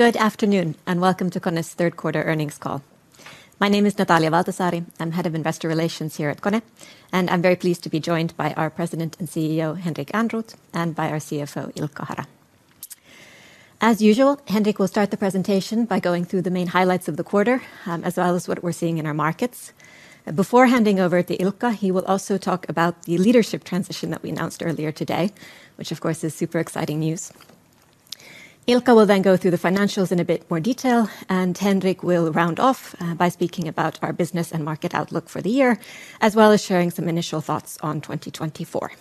Good afternoon, and welcome to KONE's third quarter earnings call. My name is Natalia Valtasaari. I'm Head of Investor Relations here at KONE, and I'm very pleased to be joined by our President and CEO, Henrik Ehrnrooth, and by our CFO, Ilkka Hara. As usual, Henrik will start the presentation by going through the main highlights of the quarter, as well as what we're seeing in our markets. Before handing over to Ilkka, he will also talk about the leadership transition that we announced earlier today, which of course is super exciting news. Ilkka will then go through the financials in a bit more detail, and Henrik will round off by speaking about our business and market outlook for the year, as well as sharing some initial thoughts on 2024.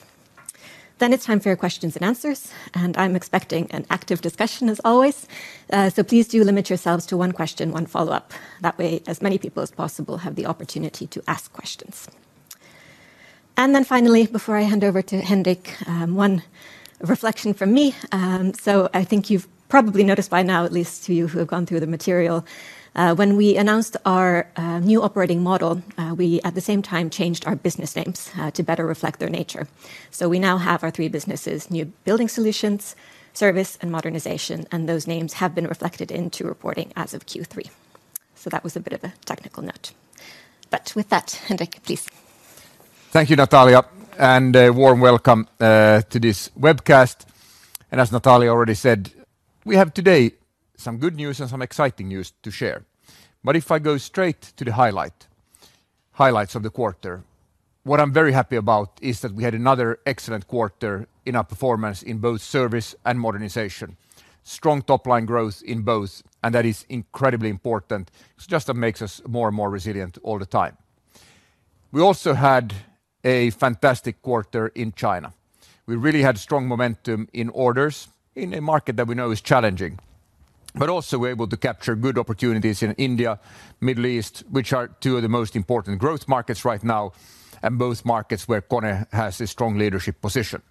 Then it's time for your questions and answers, and I'm expecting an active discussion as always. So please do limit yourselves to one question, one follow-up. That way, as many people as possible have the opportunity to ask questions. And then finally, before I hand over to Henrik, one reflection from me. So I think you've probably noticed by now, at least to you who have gone through the material, when we announced our new operating model, we at the same time changed our business names to better reflect their nature. So we now have our three businesses, New Building Solutions, Service, and Modernization, and those names have been reflected into reporting as of Q3. So that was a bit of a technical note. But with that, Henrik, please. Thank you, Natalia, and a warm welcome to this webcast. As Natalia already said, we have today some good news and some exciting news to share. If I go straight to the highlight, highlights of the quarter. What I'm very happy about is that we had another excellent quarter in our performance in both service and modernization. Strong top-line growth in both, and that is incredibly important. It's just that makes us more and more resilient all the time. We also had a fantastic quarter in China. We really had strong momentum in orders in a market that we know is challenging, but also we're able to capture good opportunities in India, Middle East, which are two of the most important growth markets right now, and both markets where KONE has a strong leadership position.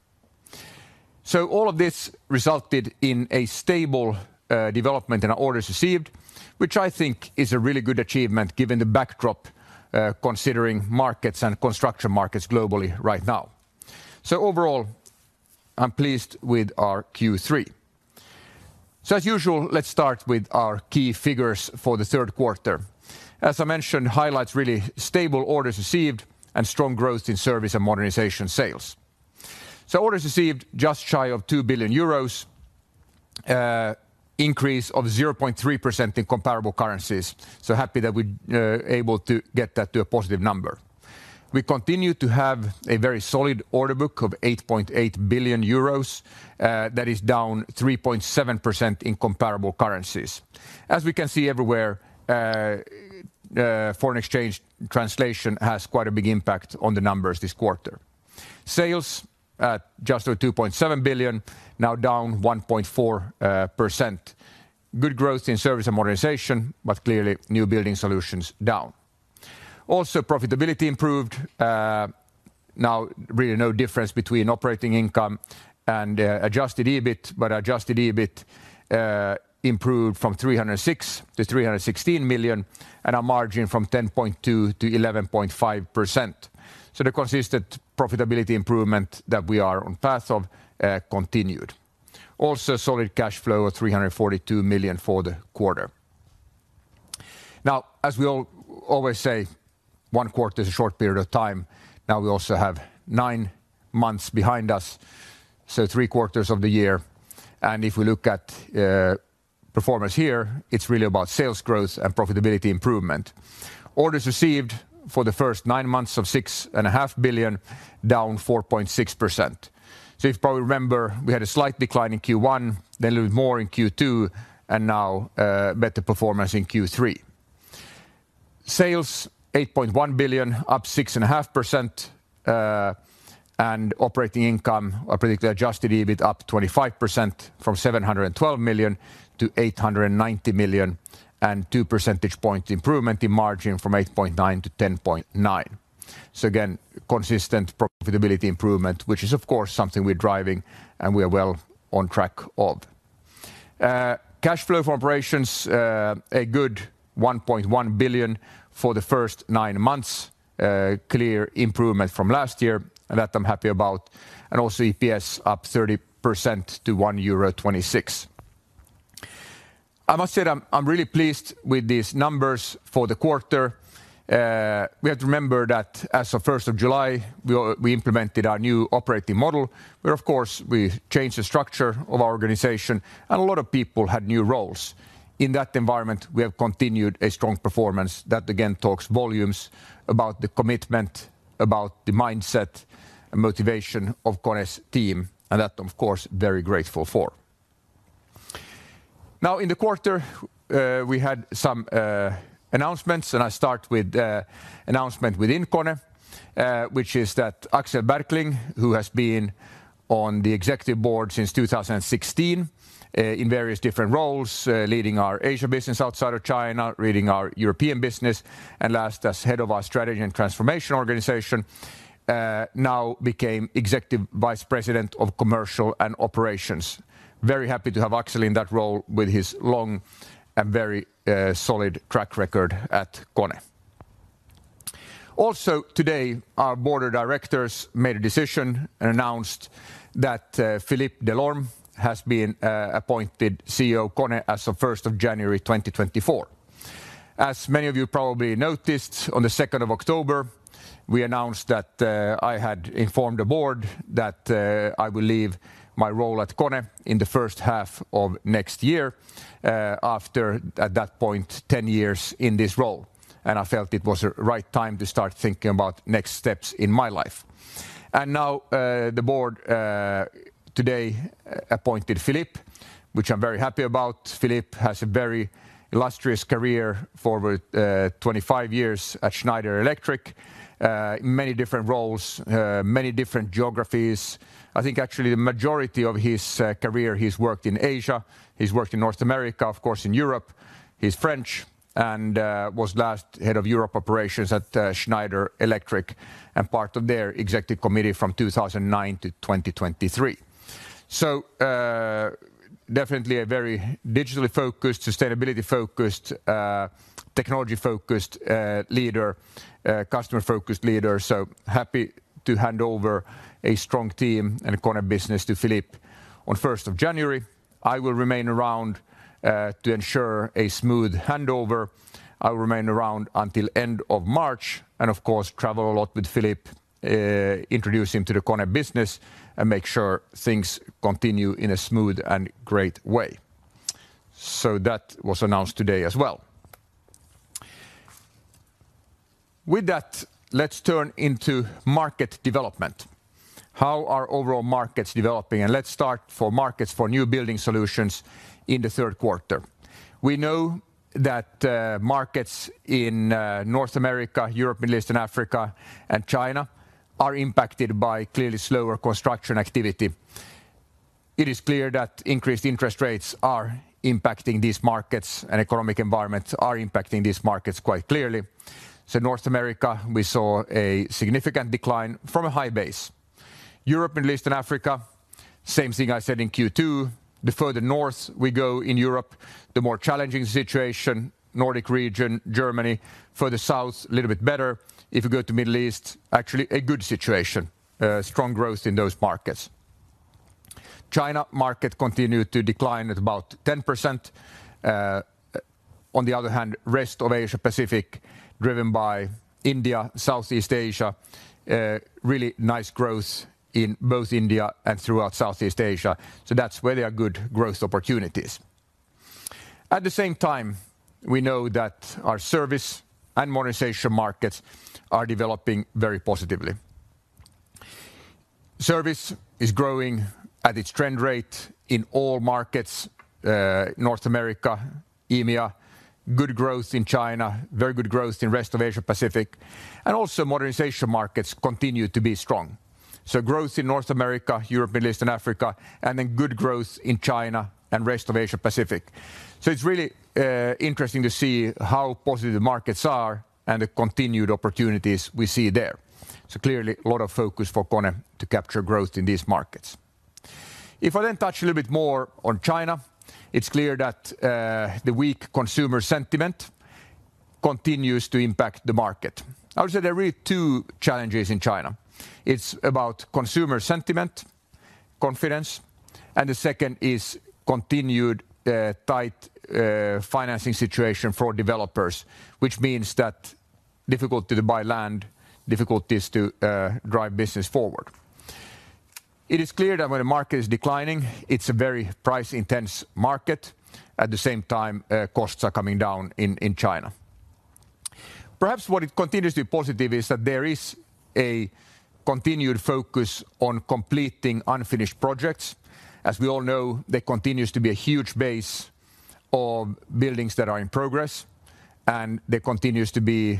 So all of this resulted in a stable development in our orders received, which I think is a really good achievement, given the backdrop, considering markets and construction markets globally right now. So overall, I'm pleased with our Q3. So as usual, let's start with our key figures for the third quarter. As I mentioned, highlights really stable orders received and strong growth in service and modernization sales. So orders received just shy of 2 billion euros, increase of 0.3% in comparable currencies. So happy that we're able to get that to a positive number. We continue to have a very solid order book of 8.8 billion euros, that is down 3.7% in comparable currencies. As we can see everywhere, foreign exchange translation has quite a big impact on the numbers this quarter. Sales at just over 2.7 billion, now down 1.4%. Good growth in service and modernization, but clearly, new building solutions down. Also, profitability improved, now really no difference between operating income and Adjusted EBIT, but Adjusted EBIT improved from 306 million to 316 million, and our margin from 10.2% to 11.5%. So the consistent profitability improvement that we are on path of continued. Also, solid cash flow of 342 million for the quarter. Now, as we all always say, one quarter is a short period of time. Now, we also have nine months behind us, so three quarters of the year. And if we look at performance here, it's really about sales growth and profitability improvement. Orders received for the first nine months 6.5 billion, down 4.6%. So you probably remember, we had a slight decline in Q1, then a little more in Q2, and now, better performance in Q3. Sales, EUR 8.1 billion, up 6.5%, and operating income, or particularly Adjusted EBIT, up 25% from 712 million to 890 million, and two percentage point improvement in margin from 8.9 to 10.9. So again, consistent profitability improvement, which is, of course, something we're driving and we are well on track of. Cash flow from operations, a good 1.1 billion for the first nine months, a clear improvement from last year, and that I'm happy about, and also EPS up 30% to €1.26. I must say that I'm really pleased with these numbers for the quarter. We have to remember that as of first of July, we all implemented our new operating model, where, of course, we changed the structure of our organization, and a lot of people had new roles. In that environment, we have continued a strong performance that again talks volumes about the commitment, about the mindset, and motivation of KONE's team, and that, of course, very grateful for. Now, in the quarter, we had some announcements, and I start with announcement within KONE, which is that Axel Berkling, who has been on the executive board since 2016, in various different roles, leading our Asia business outside of China, leading our European business, and last, as head of our strategy and transformation organization, now became Executive Vice President of Commercial and Operations. Very happy to have Axel in that role with his long and very solid track record at KONE. Also, today, our board of directors made a decision and announced that Philippe Delorme has been appointed CEO KONE as of January 1, 2024. As many of you probably noticed, on the second of October, we announced that I had informed the board that I will leave my role at KONE in the first half of next year, after, at that point, 10 years in this role, and I felt it was the right time to start thinking about next steps in my life. Now, the board today appointed Philippe, which I'm very happy about. Philippe has a very illustrious career for over 25 years at Schneider Electric. Many different roles, many different geographies. I think actually the majority of his career, he's worked in Asia, he's worked in North America, of course, in Europe. He's French, and was last head of Europe operations at Schneider Electric, and part of their executive committee from 2009 to 2023. So, definitely a very digitally focused, sustainability focused, technology focused, leader, customer-focused leader. So happy to hand over a strong team and KONE business to Philippe on first of January. I will remain around to ensure a smooth handover. I will remain around until end of March, and of course, travel a lot with Philippe, introduce him to the KONE business, and make sure things continue in a smooth and great way. So that was announced today as well. With that, let's turn into market development. How are overall markets developing? And let's start for markets for new building solutions in the third quarter. We know that, markets in, North America, Europe, Middle East and Africa, and China are impacted by clearly slower construction activity. It is clear that increased interest rates are impacting these markets, and economic environments are impacting these markets quite clearly. So North America, we saw a significant decline from a high base. Europe, Middle East, and Africa, same thing I said in Q2: the further north we go in Europe, the more challenging situation. Nordic region, Germany, further south, a little bit better. If you go to Middle East, actually a good situation, strong growth in those markets. China market continued to decline at about 10%. On the other hand, rest of Asia-Pacific, driven by India, Southeast Asia, really nice growth in both India and throughout Southeast Asia. So that's where there are good growth opportunities. At the same time, we know that our service and modernization markets are developing very positively. Service is growing at its trend rate in all markets, North America, EMEA, good growth in China, very good growth in rest of Asia-Pacific, and also modernization markets continue to be strong. So growth in North America, Europe, Middle East, and Africa, and then good growth in China and rest of Asia-Pacific. So it's really interesting to see how positive the markets are and the continued opportunities we see there. So clearly, a lot of focus for KONE to capture growth in these markets. If I then touch a little bit more on China, it's clear that the weak consumer sentiment continues to impact the market. I would say there are really two challenges in China. It's about consumer sentiment, confidence, and the second is continued tight financing situation for developers, which means that difficulty to buy land, difficulties to drive business forward. It is clear that when the market is declining, it's a very price intense market. At the same time, costs are coming down in, in China. Perhaps what it continues to be positive is that there is a continued focus on completing unfinished projects. As we all know, there continues to be a huge base of buildings that are in progress, and there continues to be,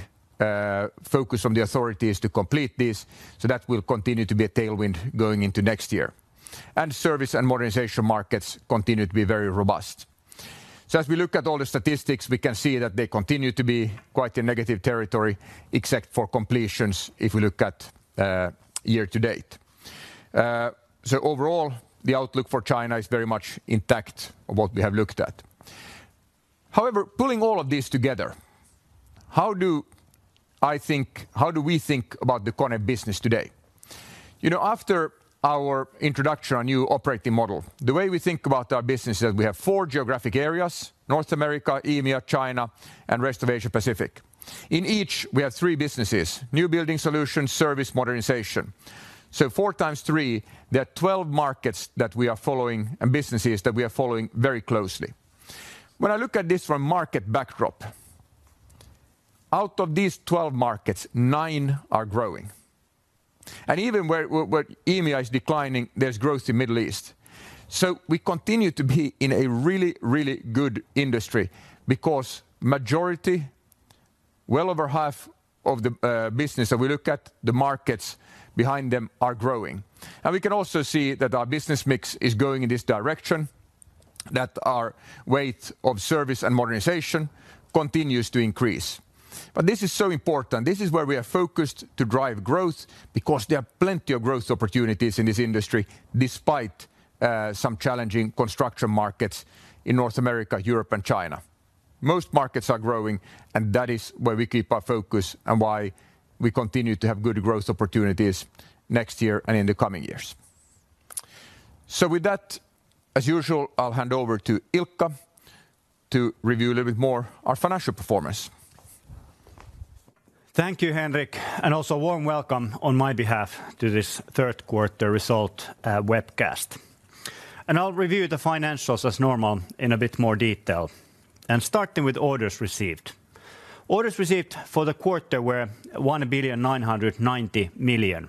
focus on the authorities to complete this, so that will continue to be a tailwind going into next year. And service and modernization markets continue to be very robust. So as we look at all the statistics, we can see that they continue to be quite a negative territory, except for completions, if we look at, year to date. So overall, the outlook for China is very much intact of what we have looked at. However, pulling all of this together, how do we think about the KONE business today? You know, after our introduction on new operating model, the way we think about our business is we have four geographic areas: North America, EMEA, China, and rest of Asia-Pacific. In each, we have three businesses: new building solutions, service, modernization. So four times three, there are 12 markets that we are following, and businesses that we are following very closely. When I look at this from market backdrop, out of these 12 markets, nine are growing. And even where EMEA is declining, there's growth in Middle East. So we continue to be in a really, really good industry, because majority, well over half of the business that we look at, the markets behind them are growing. We can also see that our business mix is going in this direction, that our weight of service and modernization continues to increase. But this is so important. This is where we are focused to drive growth, because there are plenty of growth opportunities in this industry, despite some challenging construction markets in North America, Europe, and China. Most markets are growing, and that is where we keep our focus and why we continue to have good growth opportunities next year and in the coming years. So with that, as usual, I'll hand over to Ilkka to review a little bit more our financial performance. Thank you, Henrik, and also warm welcome on my behalf to this third quarter results webcast. I'll review the financials as normal in a bit more detail, starting with orders received. Orders received for the quarter were 1.99 billion.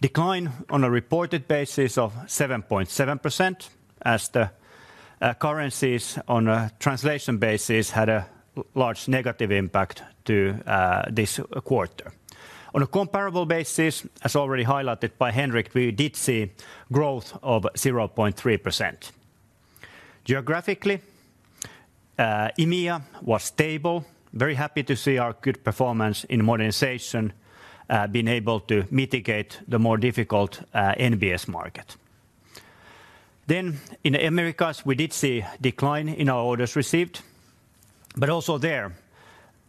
Decline on a reported basis of 7.7%, as the currencies on a translation basis had a large negative impact to this quarter. On a comparable basis, as already highlighted by Henrik, we did see growth of 0.3%. Geographically, EMEA was stable. Very happy to see our good performance in modernization being able to mitigate the more difficult NBS market. Then in Americas, we did see decline in our orders received, but also there,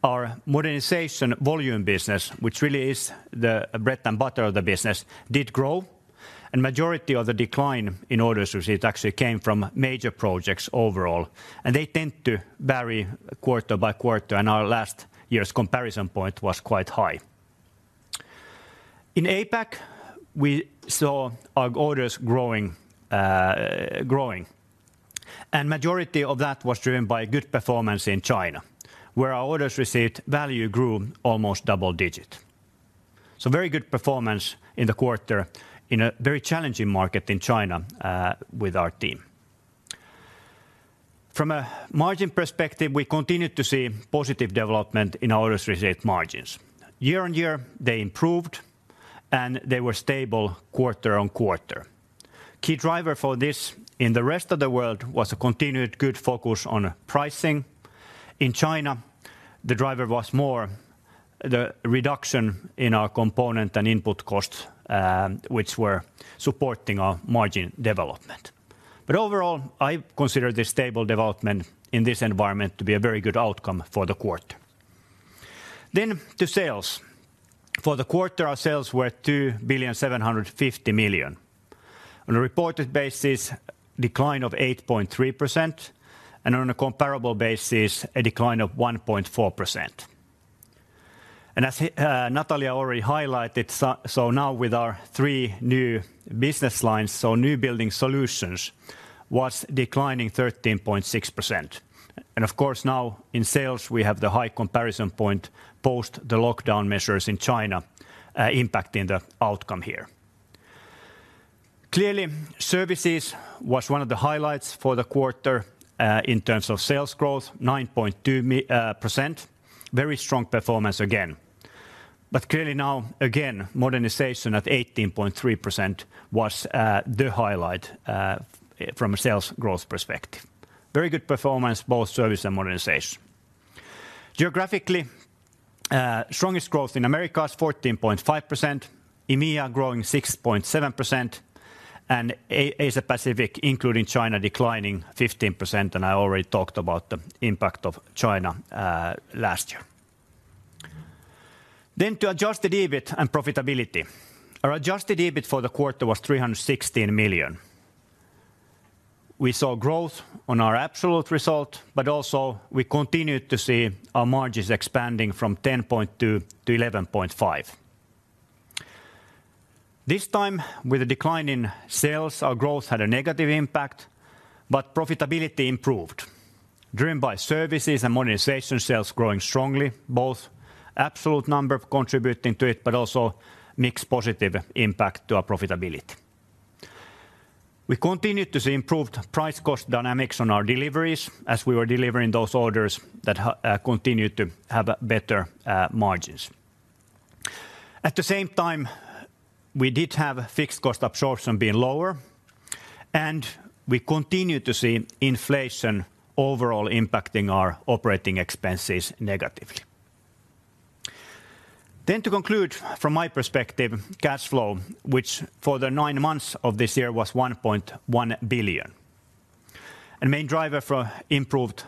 our modernization volume business, which really is the bread and butter of the business, did grow, and majority of the decline in orders received actually came from major projects overall, and they tend to vary quarter by quarter, and our last year's comparison point was quite high. In APAC, we saw our orders growing, and majority of that was driven by good performance in China, where our orders received value grew almost double-digit. So very good performance in the quarter in a very challenging market in China with our team. From a margin perspective, we continued to see positive development in our orders received margins. Year-on-year, they improved, and they were stable quarter-on-quarter. Key driver for this in the rest of the world was a continued good focus on pricing. In China, the driver was more the reduction in our component and input costs, which were supporting our margin development. But overall, I consider the stable development in this environment to be a very good outcome for the quarter. To sales. For the quarter, our sales were 2.75 billion. On a reported basis, decline of 8.3%, and on a comparable basis, a decline of 1.4%. And as Henrik, Natalia already highlighted, so, so now with our three new business lines, so New Building Solutions, was declining 13.6%. And of course, now in sales, we have the high comparison point post the lockdown measures in China, impacting the outcome here. Clearly, services was one of the highlights for the quarter, in terms of sales growth, 9.2%. Very strong performance again. But clearly now, again, modernization at 18.3% was, the highlight, from a sales growth perspective. Very good performance, both service and modernization. Geographically, strongest growth in Americas, 14.5%; EMEA growing 6.7%; and Asia Pacific, including China, declining 15%, and I already talked about the impact of China, last year. Then to Adjusted EBIT and profitability. Our Adjusted EBIT for the quarter was 316 million. We saw growth on our absolute result, but also we continued to see our margins expanding from 10.2% to 11.5%. This time, with a decline in sales, our growth had a negative impact, but profitability improved, driven by services and modernization sales growing strongly, both absolute number contributing to it, but also mixed positive impact to our profitability. We continued to see improved price cost dynamics on our deliveries as we were delivering those orders that continued to have better margins. At the same time, we did have fixed cost absorption being lower, and we continued to see inflation overall impacting our operating expenses negatively. To conclude, from my perspective, cash flow, which for the nine months of this year was 1.1 billion. Main driver for improved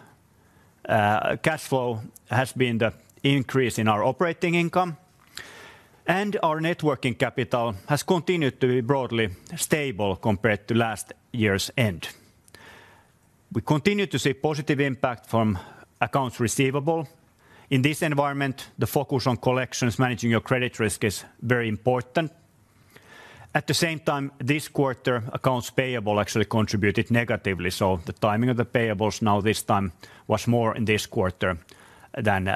cash flow has been the increase in our operating income, and our net working capital has continued to be broadly stable compared to last year's end. We continue to see positive impact from accounts receivable. In this environment, the focus on collections, managing your credit risk, is very important. At the same time, this quarter, accounts payable actually contributed negatively, so the timing of the payables now this time was more in this quarter than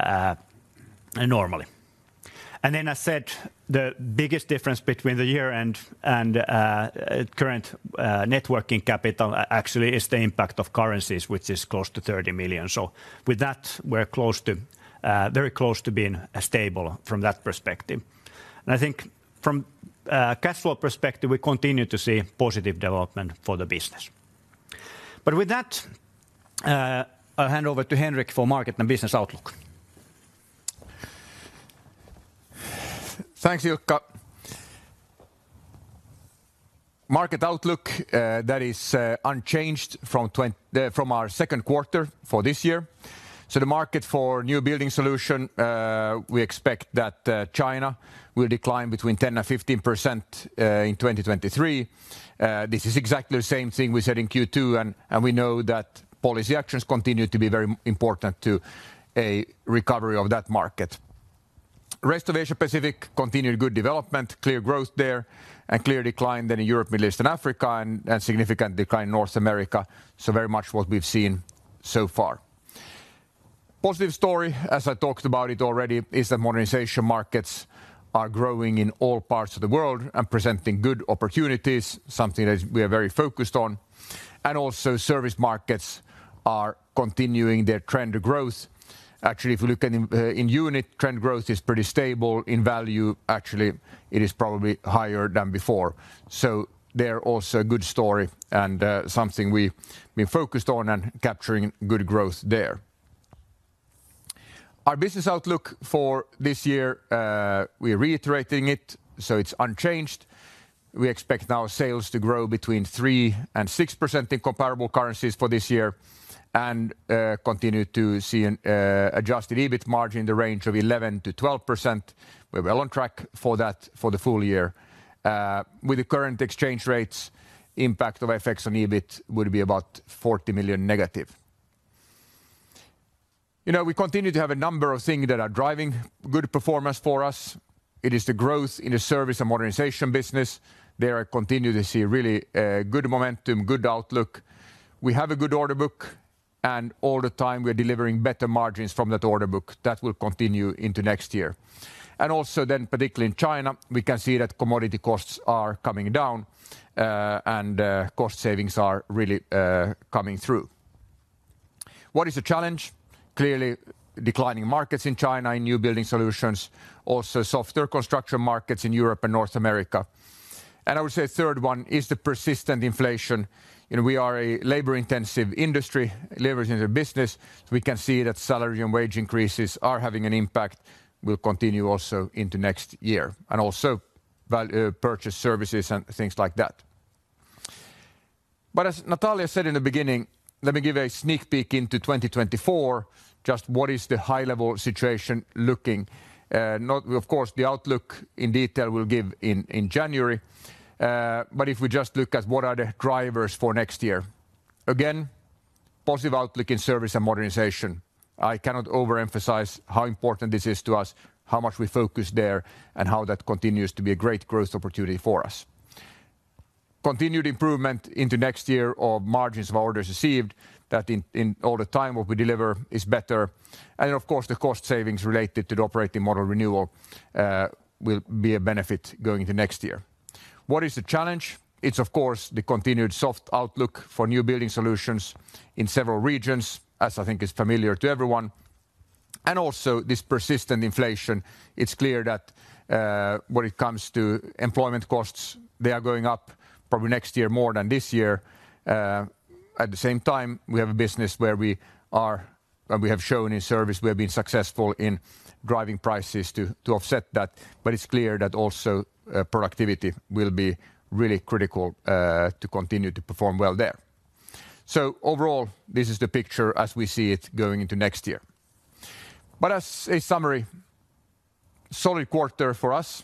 normally. And then I said the biggest difference between the year-end and current net working capital actually is the impact of currencies, which is close to 30 million. So with that, we're very close to being stable from that perspective. And I think from a cash flow perspective, we continue to see positive development for the business. But with that, I'll hand over to Henrik for market and business outlook. Thanks, Ilkka. Market outlook, that is, unchanged from our second quarter for this year. So the market for new building solution, we expect that, China will decline between 10% and 15%, in 2023. This is exactly the same thing we said in Q2, and we know that policy actions continue to be very important to a recovery of that market. Rest of Asia Pacific, continued good development, clear growth there, and clear decline than in Europe, Middle East and Africa, and, and significant decline in North America. So very much what we've seen so far. Positive story, as I talked about it already, is that modernization markets are growing in all parts of the world and presenting good opportunities, something that we are very focused on. And also, service markets are continuing their trend of growth. Actually, if you look at in, in unit, trend growth is pretty stable. In value, actually, it is probably higher than before. So they're also a good story and, something we, we focused on and capturing good growth there. Our business outlook for this year, we're reiterating it, so it's unchanged. We expect our sales to grow between 3% and 6% in comparable currencies for this year, and continue to see an adjusted EBIT margin in the range of 11%-12%. We're well on track for that for the full year. With the current exchange rates, impact of FX on EBIT would be about 40 million negative. You know, we continue to have a number of things that are driving good performance for us. It is the growth in the service and modernization business. There I continue to see really, good momentum, good outlook. We have a good order book, and all the time we're delivering better margins from that order book. That will continue into next year. Also then, particularly in China, we can see that commodity costs are coming down, and cost savings are really, coming through. What is the challenge? Clearly, declining markets in China, in New Building Solutions, also softer construction markets in Europe and North America. And I would say a third one is the persistent inflation, and we are a labor-intensive industry, labor-intensive business. We can see that salary and wage increases are having an impact, will continue also into next year, and also purchase services and things like that. But as Natalia said in the beginning, let me give a sneak peek into 2024, just what is the high-level situation looking. Of course, the outlook in detail we'll give in January, but if we just look at what are the drivers for next year. Again, positive outlook in Service and Modernization. I cannot overemphasize how important this is to us, how much we focus there, and how that continues to be a great growth opportunity for us. Continued improvement into next year of margins of orders received, that in all the time what we deliver is better. And of course, the cost savings related to the operating model renewal will be a benefit going into next year. What is the challenge? It's of course the continued soft outlook for new building solutions in several regions, as I think is familiar to everyone, and also this persistent inflation. It's clear that when it comes to employment costs, they are going up probably next year more than this year. At the same time, we have a business where we are, and we have shown in service we have been successful in driving prices to offset that. But it's clear that also productivity will be really critical to continue to perform well there. So overall, this is the picture as we see it going into next year. But as a summary, solid quarter for us.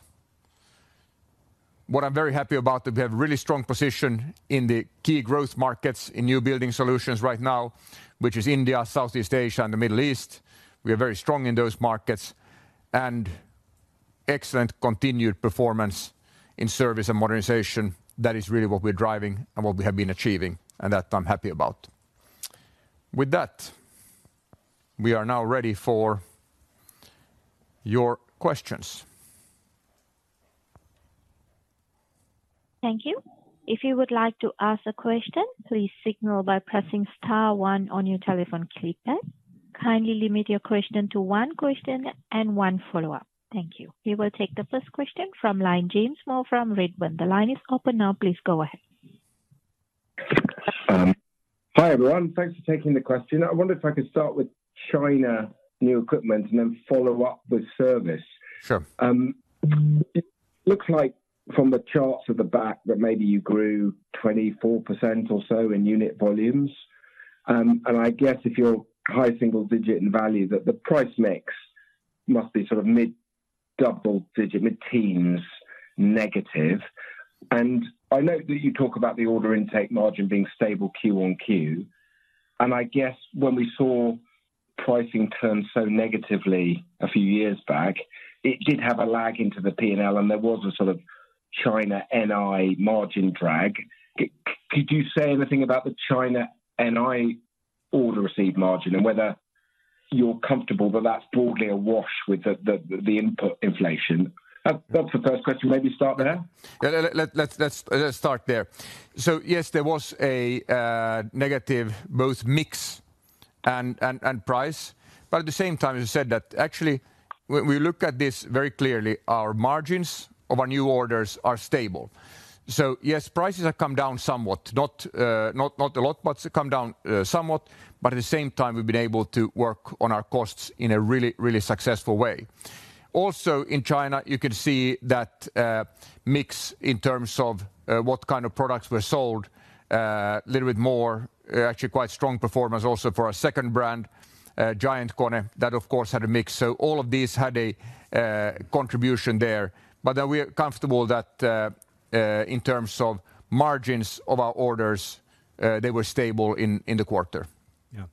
What I'm very happy about, that we have really strong position in the key growth markets in new building solutions right now, which is India, Southeast Asia, and the Middle East. We are very strong in those markets, and excellent continued performance in Service and Modernization. That is really what we're driving and what we have been achieving, and that I'm happy about. With that, we are now ready for your questions. Thank you. If you would like to ask a question, please signal by pressing star one on your telephone keypad. Kindly limit your question to one question and one follow-up. Thank you. We will take the first question from line, James Moore from Redburn. The line is open now. Please go ahead. Hi, everyone. Thanks for taking the question. I wonder if I could start with China new equipment and then follow up with service. Sure. It looks like from the charts at the back that maybe you grew 24% or so in unit volumes. And I guess if you're high single digit in value, that the price mix must be sort of mid-double digit, mid-teens negative. And I know that you talk about the order intake margin being stable quarter-on-quarter, and I guess when we saw pricing turn so negatively a few years back, it did have a lag into the P&L, and there was a sort of China NI margin drag. Could you say anything about the China NI order received margin, and whether you're comfortable that that's broadly a wash with the input inflation? That's the first question. Maybe start there. Yeah, let's start there. So yes, there was a negative, both mix and price, but at the same time, as you said, that actually, when we look at this very clearly, our margins of our new orders are stable. So yes, prices have come down somewhat. Not a lot, but come down somewhat. But at the same time, we've been able to work on our costs in a really, really successful way. Also, in China, you could see that, mix in terms of, what kind of products were sold, a little bit more, actually quite strong performance also for our second brand, Giant KONE, that of course had a mix. So all of these had a contribution there. We are comfortable that, in terms of margins of our orders, they were stable in the quarter. Yeah.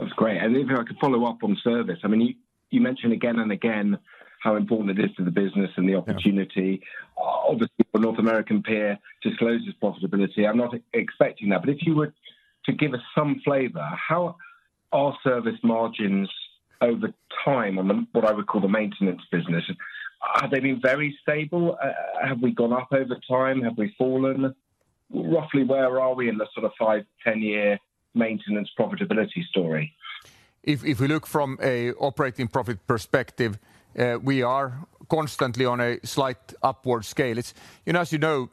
That's great. And if I could follow up on service. I mean, you, you mentioned again and again how important it is to the business and the opportunity. Obviously, your North American peer discloses profitability. I'm not expecting that, but if you were to give us some flavor, how are service margins over time on the, what I would call the maintenance business? Have they been very stable? Have we gone up over time? Have we fallen? Roughly, where are we in the sort of 5-10-year maintenance profitability story? If we look from a operating profit perspective, we are constantly on a slight upward scale. It's, and as you know,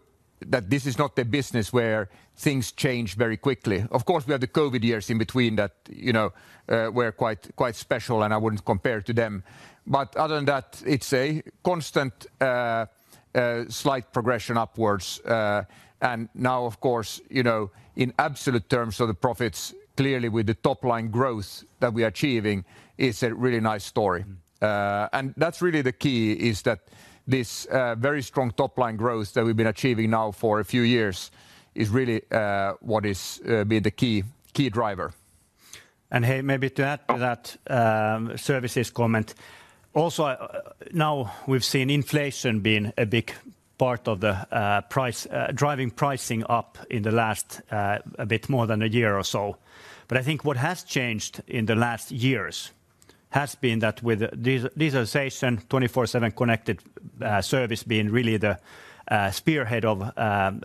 that this is not the business where things change very quickly. Of course, we had the COVID years in between that, you know, were quite special, and I wouldn't compare to them. But other than that, it's a constant, slight progression upwards. And now, of course, you know, in absolute terms of the profits, clearly with the top-line growth that we're achieving, it's a really nice story. That's really the key: that this very strong top-line growth that we've been achieving now for a few years is really what has been the key driver. Hey, maybe to add to that, services comment. Also, now we've seen inflation being a big part of the price driving pricing up in the last, a bit more than a year or so. But I think what has changed in the last years has been that with digitalization, 24/7 connected service being really the spearhead of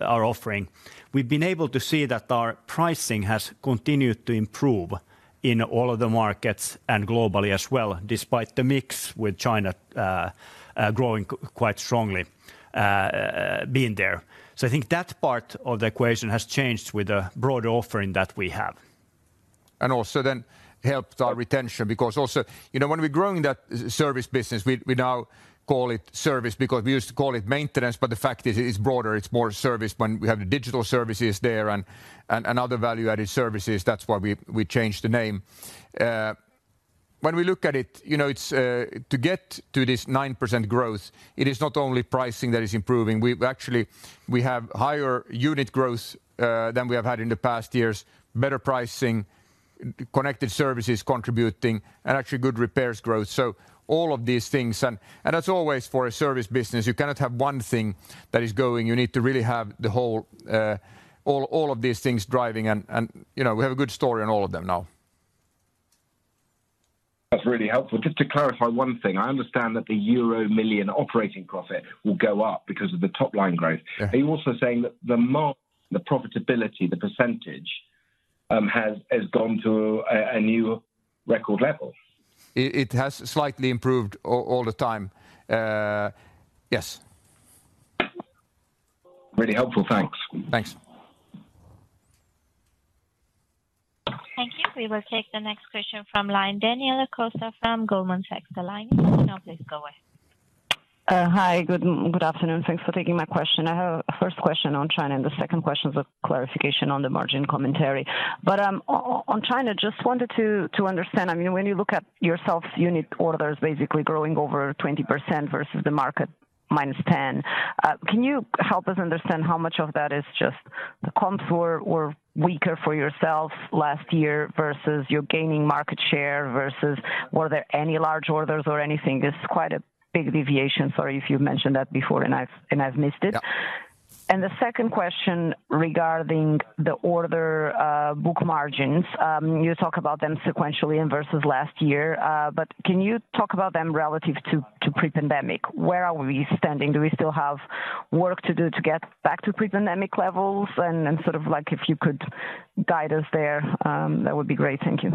our offering, we've been able to see that our pricing has continued to improve in all of the markets and globally as well, despite the mix with China growing quite strongly being there. So I think that part of the equation has changed with the broader offering that we have. Also then helped our retention, because also, you know, when we're growing that service business, we now call it service because we used to call it maintenance, but the fact is, it's broader. It's more service when we have the digital services there and other value-added services. That's why we changed the name. When we look at it, you know, it's to get to this 9% growth, it is not only pricing that is improving. We actually we have higher unit growth than we have had in the past years, better pricing, connected services contributing, and actually good repairs growth. So all of these things, and as always, for a service business, you cannot have one thing that is going. You need to really have all of these things driving and, you know, we have a good story on all of them now. That's really helpful. Just to clarify one thing, I understand that the euro million operating profit will go up because of the top-line growth. Yeah. Are you also saying that the profitability, the percentage, has gone to a new record level? It has slightly improved all the time. Yes. Really helpful. Thanks. Thanks. Thank you. We will take the next question from the line, Daniela Costa from Goldman Sachs. The line is open. Now please go ahead. Hi, good, good afternoon. Thanks for taking my question. I have a first question on China, and the second question is a clarification on the margin commentary. But, on China, just wanted to understand, I mean, when you look at yourself, unit orders basically growing over 20% versus the market, -10%. Can you help us understand how much of that is just the comps were weaker for yourself last year versus you're gaining market share versus were there any large orders or anything? This is quite a big deviation. Sorry if you've mentioned that before and I've missed it. Yeah. And the second question regarding the order book margins. You talk about them sequentially and versus last year, but can you talk about them relative to pre-pandemic? Where are we standing? Do we still have work to do to get back to pre-pandemic levels? And sort of like if you could guide us there, that would be great. Thank you.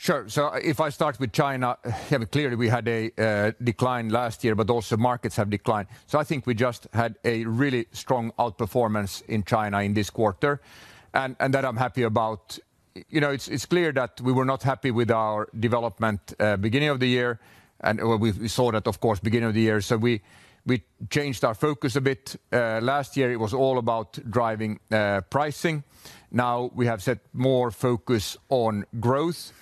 Sure. So if I start with China, yeah, but clearly we had a decline last year, but also markets have declined. So I think we just had a really strong outperformance in China in this quarter, and that I'm happy about. You know, it's clear that we were not happy with our development beginning of the year, and we saw that, of course, beginning of the year. So we changed our focus a bit. Last year it was all about driving pricing. Now we have set more focus on growth,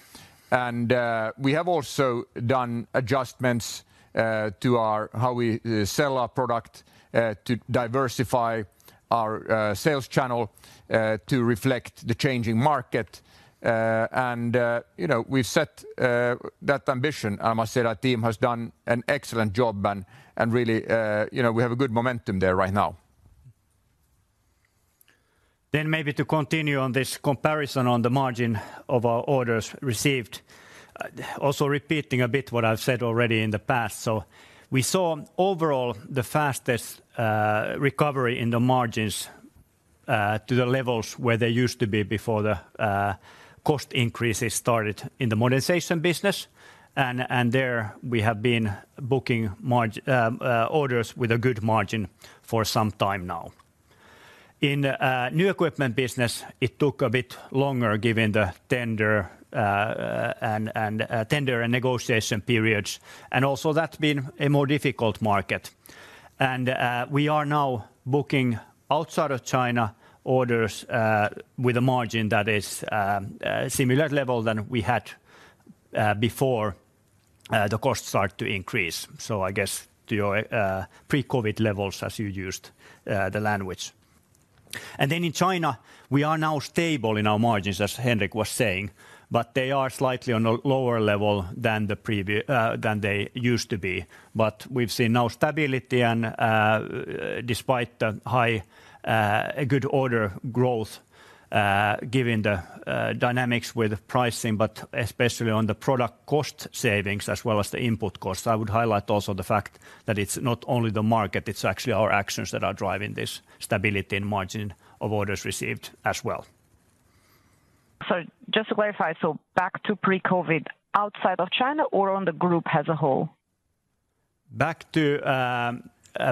and we have also done adjustments to our how we sell our product to diversify our sales channel to reflect the changing market. And you know, we've set that ambition. I must say, our team has done an excellent job, and really, you know, we have a good momentum there right now. Then maybe to continue on this comparison on the margin of our orders received. Also repeating a bit what I've said already in the past. So we saw overall the fastest recovery in the margins to the levels where they used to be before the cost increases started in the modernization business. There we have been booking orders with a good margin for some time now. In new equipment business, it took a bit longer given the tender and negotiation periods, and also that's been a more difficult market. We are now booking outside of China orders with a margin that is similar level than we had before the costs start to increase. So I guess to your pre-COVID levels, as you used the language. Then in China, we are now stable in our margins, as Henrik was saying, but they are slightly on a lower level than they used to be. But we've seen now stability and, despite the high, a good order growth, given the dynamics with pricing, but especially on the product cost savings as well as the input costs. I would highlight also the fact that it's not only the market, it's actually our actions that are driving this stability and margin of orders received as well. So just to clarify, so back to pre-COVID, outside of China or on the group as a whole? Back to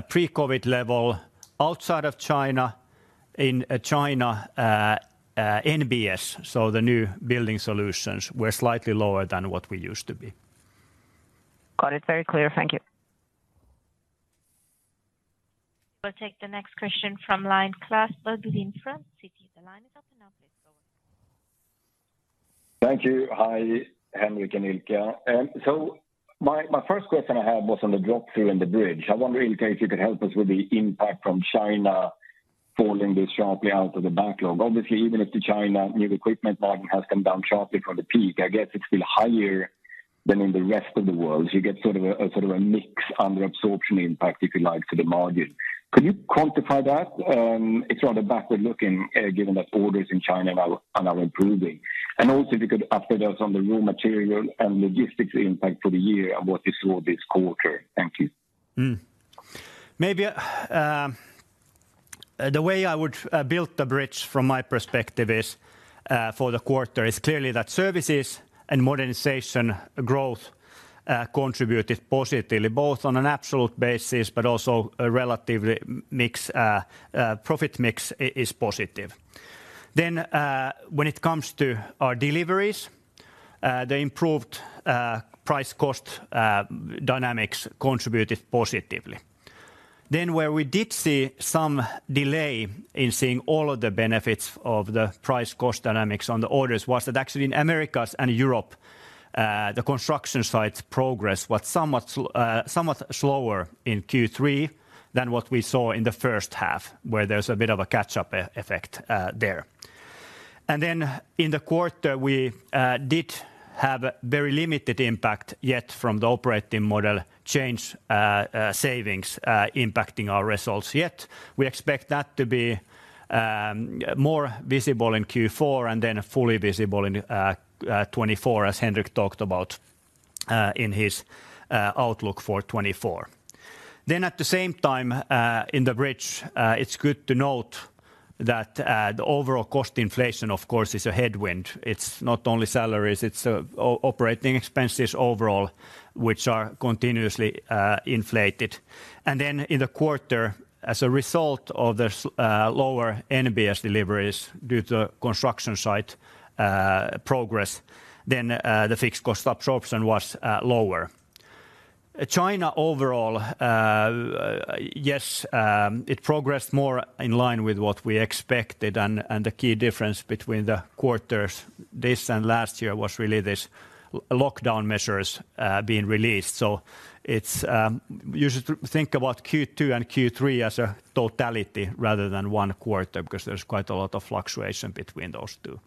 pre-COVID level outside of China. In China, NBS, so the new building solutions, we're slightly lower than what we used to be. Got it. Very clear. Thank you. We'll take the next question from line, Klas Bergelind from Citi. The line is open now, please go on. Thank you. Hi, Henrik and Ilkka. So my first question I had was on the drop-through in the bridge. I wonder, Ilkka, if you could help us with the impact from China falling this sharply out of the backlog. Obviously, even if the China new equipment margin has come down sharply from the peak, I guess it's still higher than in the rest of the world. You get a sort of a mix under absorption impact, if you like, to the margin. Could you quantify that? It's rather backward looking, given that orders in China are now improving. And also, if you could update us on the raw material and logistics impact for the year and what you saw this quarter. Thank you. Maybe, the way I would build the bridge from my perspective is, for the quarter, is clearly that services and modernization growth contributed positively, both on an absolute basis, but also a relatively mix, profit mix is positive. Then, when it comes to our deliveries, the improved price cost dynamics contributed positively. Then where we did see some delay in seeing all of the benefits of the price cost dynamics on the orders was that actually in Americas and Europe, the construction sites progress was somewhat slower in Q3 than what we saw in the first half, where there's a bit of a catch-up effect, there. Then in the quarter, we did have a very limited impact yet from the operating model change, savings, impacting our results. Yet, we expect that to be more visible in Q4 and then fully visible in 2024, as Henrik talked about in his outlook for 2024. Then at the same time, in the bridge, it's good to note that the overall cost inflation, of course, is a headwind. It's not only salaries, it's operating expenses overall, which are continuously inflated. And then in the quarter, as a result of this, lower NBS deliveries due to construction site progress, then the fixed cost absorption was lower. China overall, yes, it progressed more in line with what we expected, and the key difference between the quarters this and last year was really this lockdown measures being released. So it's you should think about Q2 and Q3 as a totality rather than one quarter, because there's quite a lot of fluctuation between those two.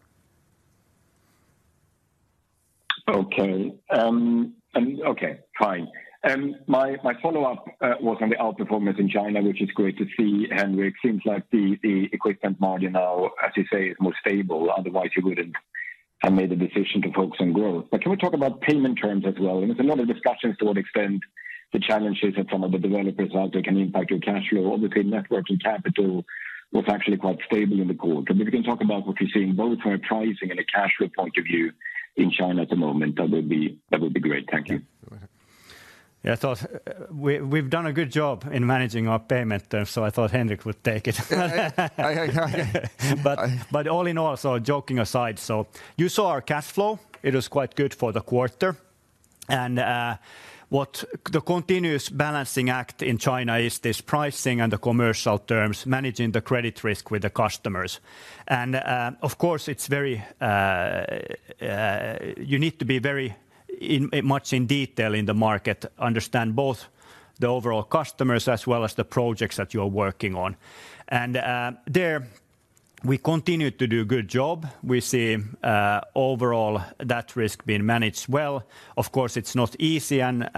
Okay, and okay, fine. My follow-up was on the outperformance in China, which is great to see, Henrik. It seems like the, the equipment margin now, as you say, is more stable, otherwise you wouldn't have made the decision to focus on growth. But can we talk about payment terms as well? And there's a lot of discussions to what extent the challenges that some of the developers out there can impact your cash flow. Obviously, net working capital was actually quite stable in the quarter. But if you can talk about what you're seeing, both from a pricing and a cash flow point of view in China at the moment, that would be great. Thank you. Yeah, so we've done a good job in managing our payment terms, so I thought Henrik would take it. But all in all, so joking aside, so you saw our cash flow. It was quite good for the quarter. And what the continuous balancing act in China is this pricing and the commercial terms, managing the credit risk with the customers. And of course, it's very. You need to be very much in detail in the market, understand both the overall customers as well as the projects that you're working on. And there we continue to do a good job. We see overall that risk being managed well. Of course, it's not easy, and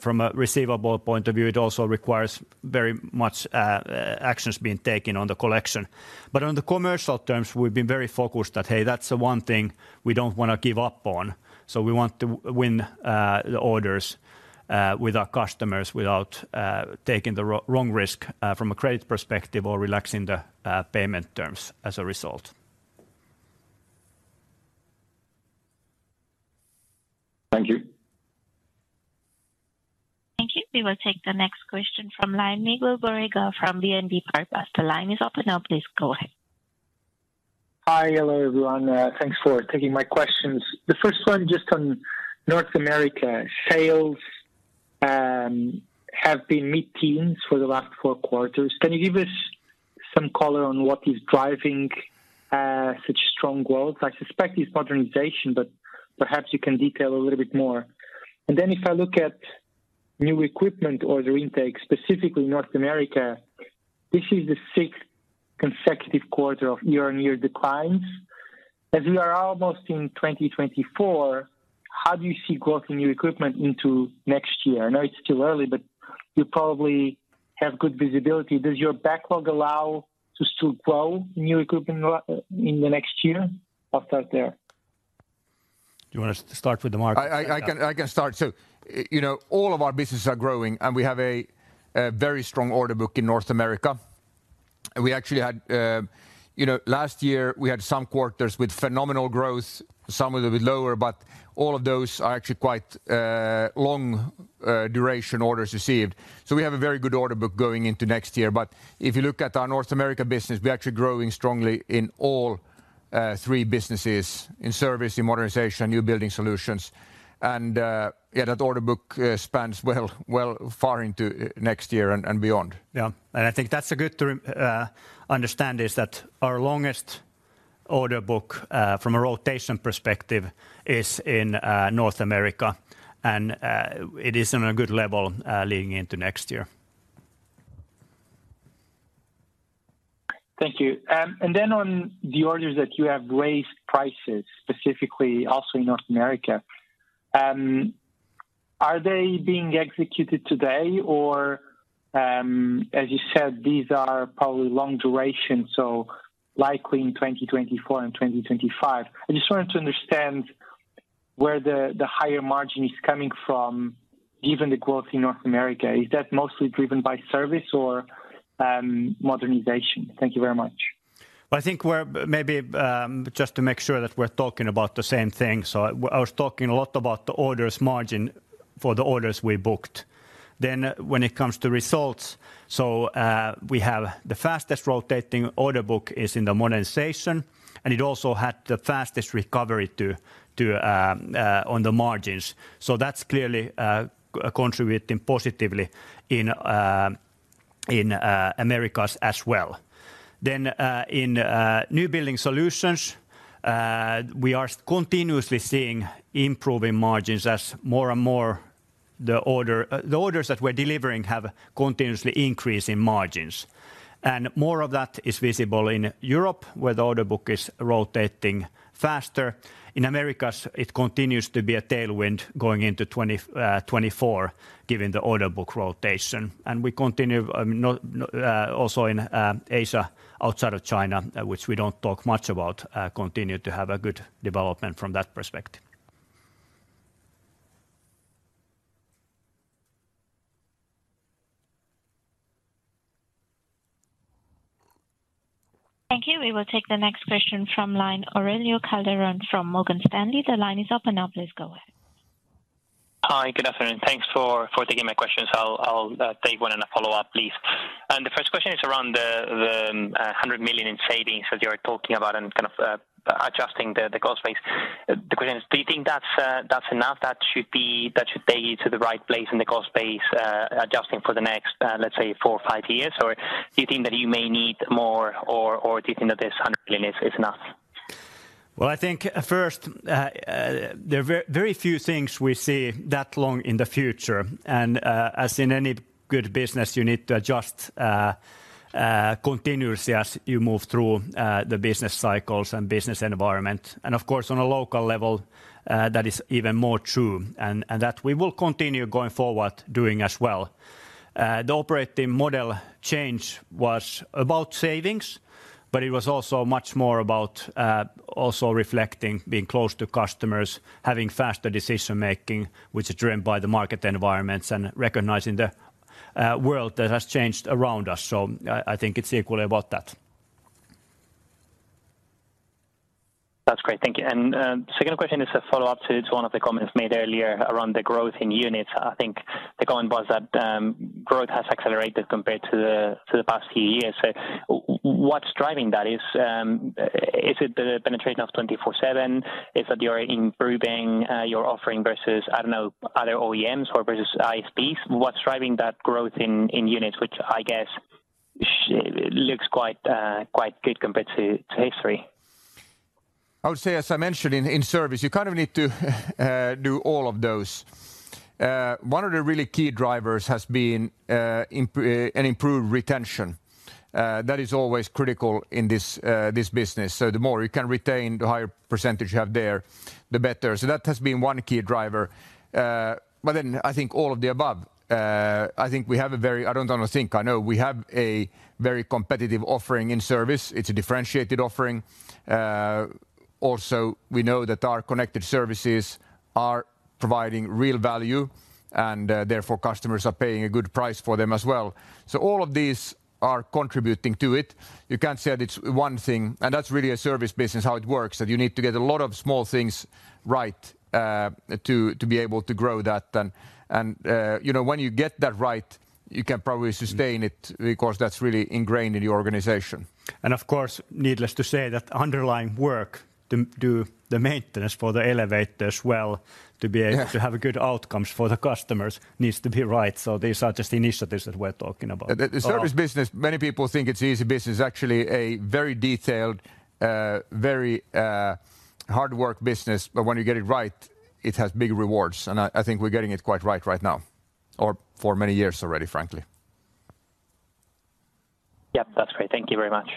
from a receivable point of view, it also requires very much actions being taken on the collection. But on the commercial terms, we've been very focused that, hey, that's the one thing we don't wanna give up on. So we want to win the orders with our customers without taking the wrong risk from a credit perspective or relaxing the payment terms as a result. Thank you. Thank you. We will take the next question from line, Miguel Borrega from BNP Paribas. The line is open now, please go ahead. Hi, hello, everyone. Thanks for taking my questions. The first one, just on North America. Sales have been mid-teens for the last four quarters. Can you give us some color on what is driving such strong growth? I suspect it's modernization, but perhaps you can detail a little bit more. And then if I look at new equipment order intake, specifically North America, this is the 6th consecutive quarter of year-on-year declines. As we are almost in 2024, how do you see growth in new equipment into next year? I know it's still early, but you probably have good visibility. Does your backlog allow to still grow new equipment in the next year? I'll start there. You want us to start with the market? I can start. So, you know, all of our businesses are growing, and we have a very strong order book in North America. And we actually had. You know, last year we had some quarters with phenomenal growth, some a little bit lower, but all of those are actually quite long duration orders received. So we have a very good order book going into next year. But if you look at our North America business, we're actually growing strongly in all three businesses, in Service, in Modernization, New Building Solutions. And yeah, that order book spans well far into next year and beyond. Yeah. And I think that's a good to understand is that our longest order book from a rotation perspective is in North America, and it is on a good level leading into next year. Thank you. Then on the orders that you have raised prices, specifically also in North America, are they being executed today? Or, as you said, these are probably long duration, so likely in 2024 and 2025. I just wanted to understand where the higher margin is coming from, given the growth in North America. Is that mostly driven by Service or, Modernization? Thank you very much. I think we're maybe just to make sure that we're talking about the same thing. So I was talking a lot about the orders margin for the orders we booked. Then when it comes to results, so we have the fastest rotating order book is in the Modernization, and it also had the fastest recovery to on the margins. So that's clearly contributing positively in Americas as well. Then in New Building Solutions we are continuously seeing improving margins as more and more the order the orders that we're delivering have continuously increasing margins. And more of that is visible in Europe, where the order book is rotating faster. In Americas, it continues to be a tailwind going into 2024, given the order book rotation. We continue also in Asia, outside of China, which we don't talk much about, continue to have a good development from that perspective. Thank you. We will take the next question from the line, Aurelio Calderon from Morgan Stanley. The line is open now, please go ahead. Hi, good afternoon. Thanks for taking my questions. I'll take one and a follow-up, please. The first question is around the 100 million in savings that you are talking about and kind of adjusting the cost base. The question is: Do you think that's enough, that should take you to the right place in the cost base, adjusting for the next, let's say, four or five years? Or do you think that you may need more, or do you think that this 100 million is enough? Well, I think, first, there are very few things we see that long in the future, and, as in any good business, you need to adjust continuously as you move through the business cycles and business environment. And of course, on a local level, that is even more true, and that we will continue going forward doing as well. The operating model change was about savings, but it was also much more about also reflecting, being close to customers, having faster decision-making, which is driven by the market environments, and recognizing the world that has changed around us. So I think it's equally about that. That's great. Thank you. And, second question is a follow-up to, to one of the comments made earlier around the growth in units. I think the comment was that, growth has accelerated compared to the, to the past few years. So what's driving that? Is, is it the penetration of 24/7? Is it you're improving, your offering versus, I don't know, other OEMs or versus ISPs? What's driving that growth in units, which I guess, looks quite good compared to history? I would say, as I mentioned, in service, you kind of need to do all of those. One of the really key drivers has been an improved retention. That is always critical in this business. So the more you can retain, the higher percentage you have there, the better. So that has been one key driver. But then I think all of the above. I think we have a very... I don't want to think, I know we have a very competitive offering in service. It's a differentiated offering. Also, we know that our connected services are providing real value, and therefore customers are paying a good price for them as well. So all of these are contributing to it. You can't say that it's one thing, and that's really a service business, how it works, that you need to get a lot of small things right, to be able to grow that. And, you know, when you get that right, you can probably sustain it, because that's really ingrained in your organization. Of course, needless to say, that underlying work to do the maintenance for the elevator as well, to be able- Yeah to have a good outcome for the customers' needs to be right. So these are just initiatives that we're talking about. The service business, many people think it's easy business. It's actually a very detailed, very hard work business, but when you get it right, it has big rewards, and I think we're getting it quite right right now, or for many years already, frankly. Yep, that's great. Thank you very much.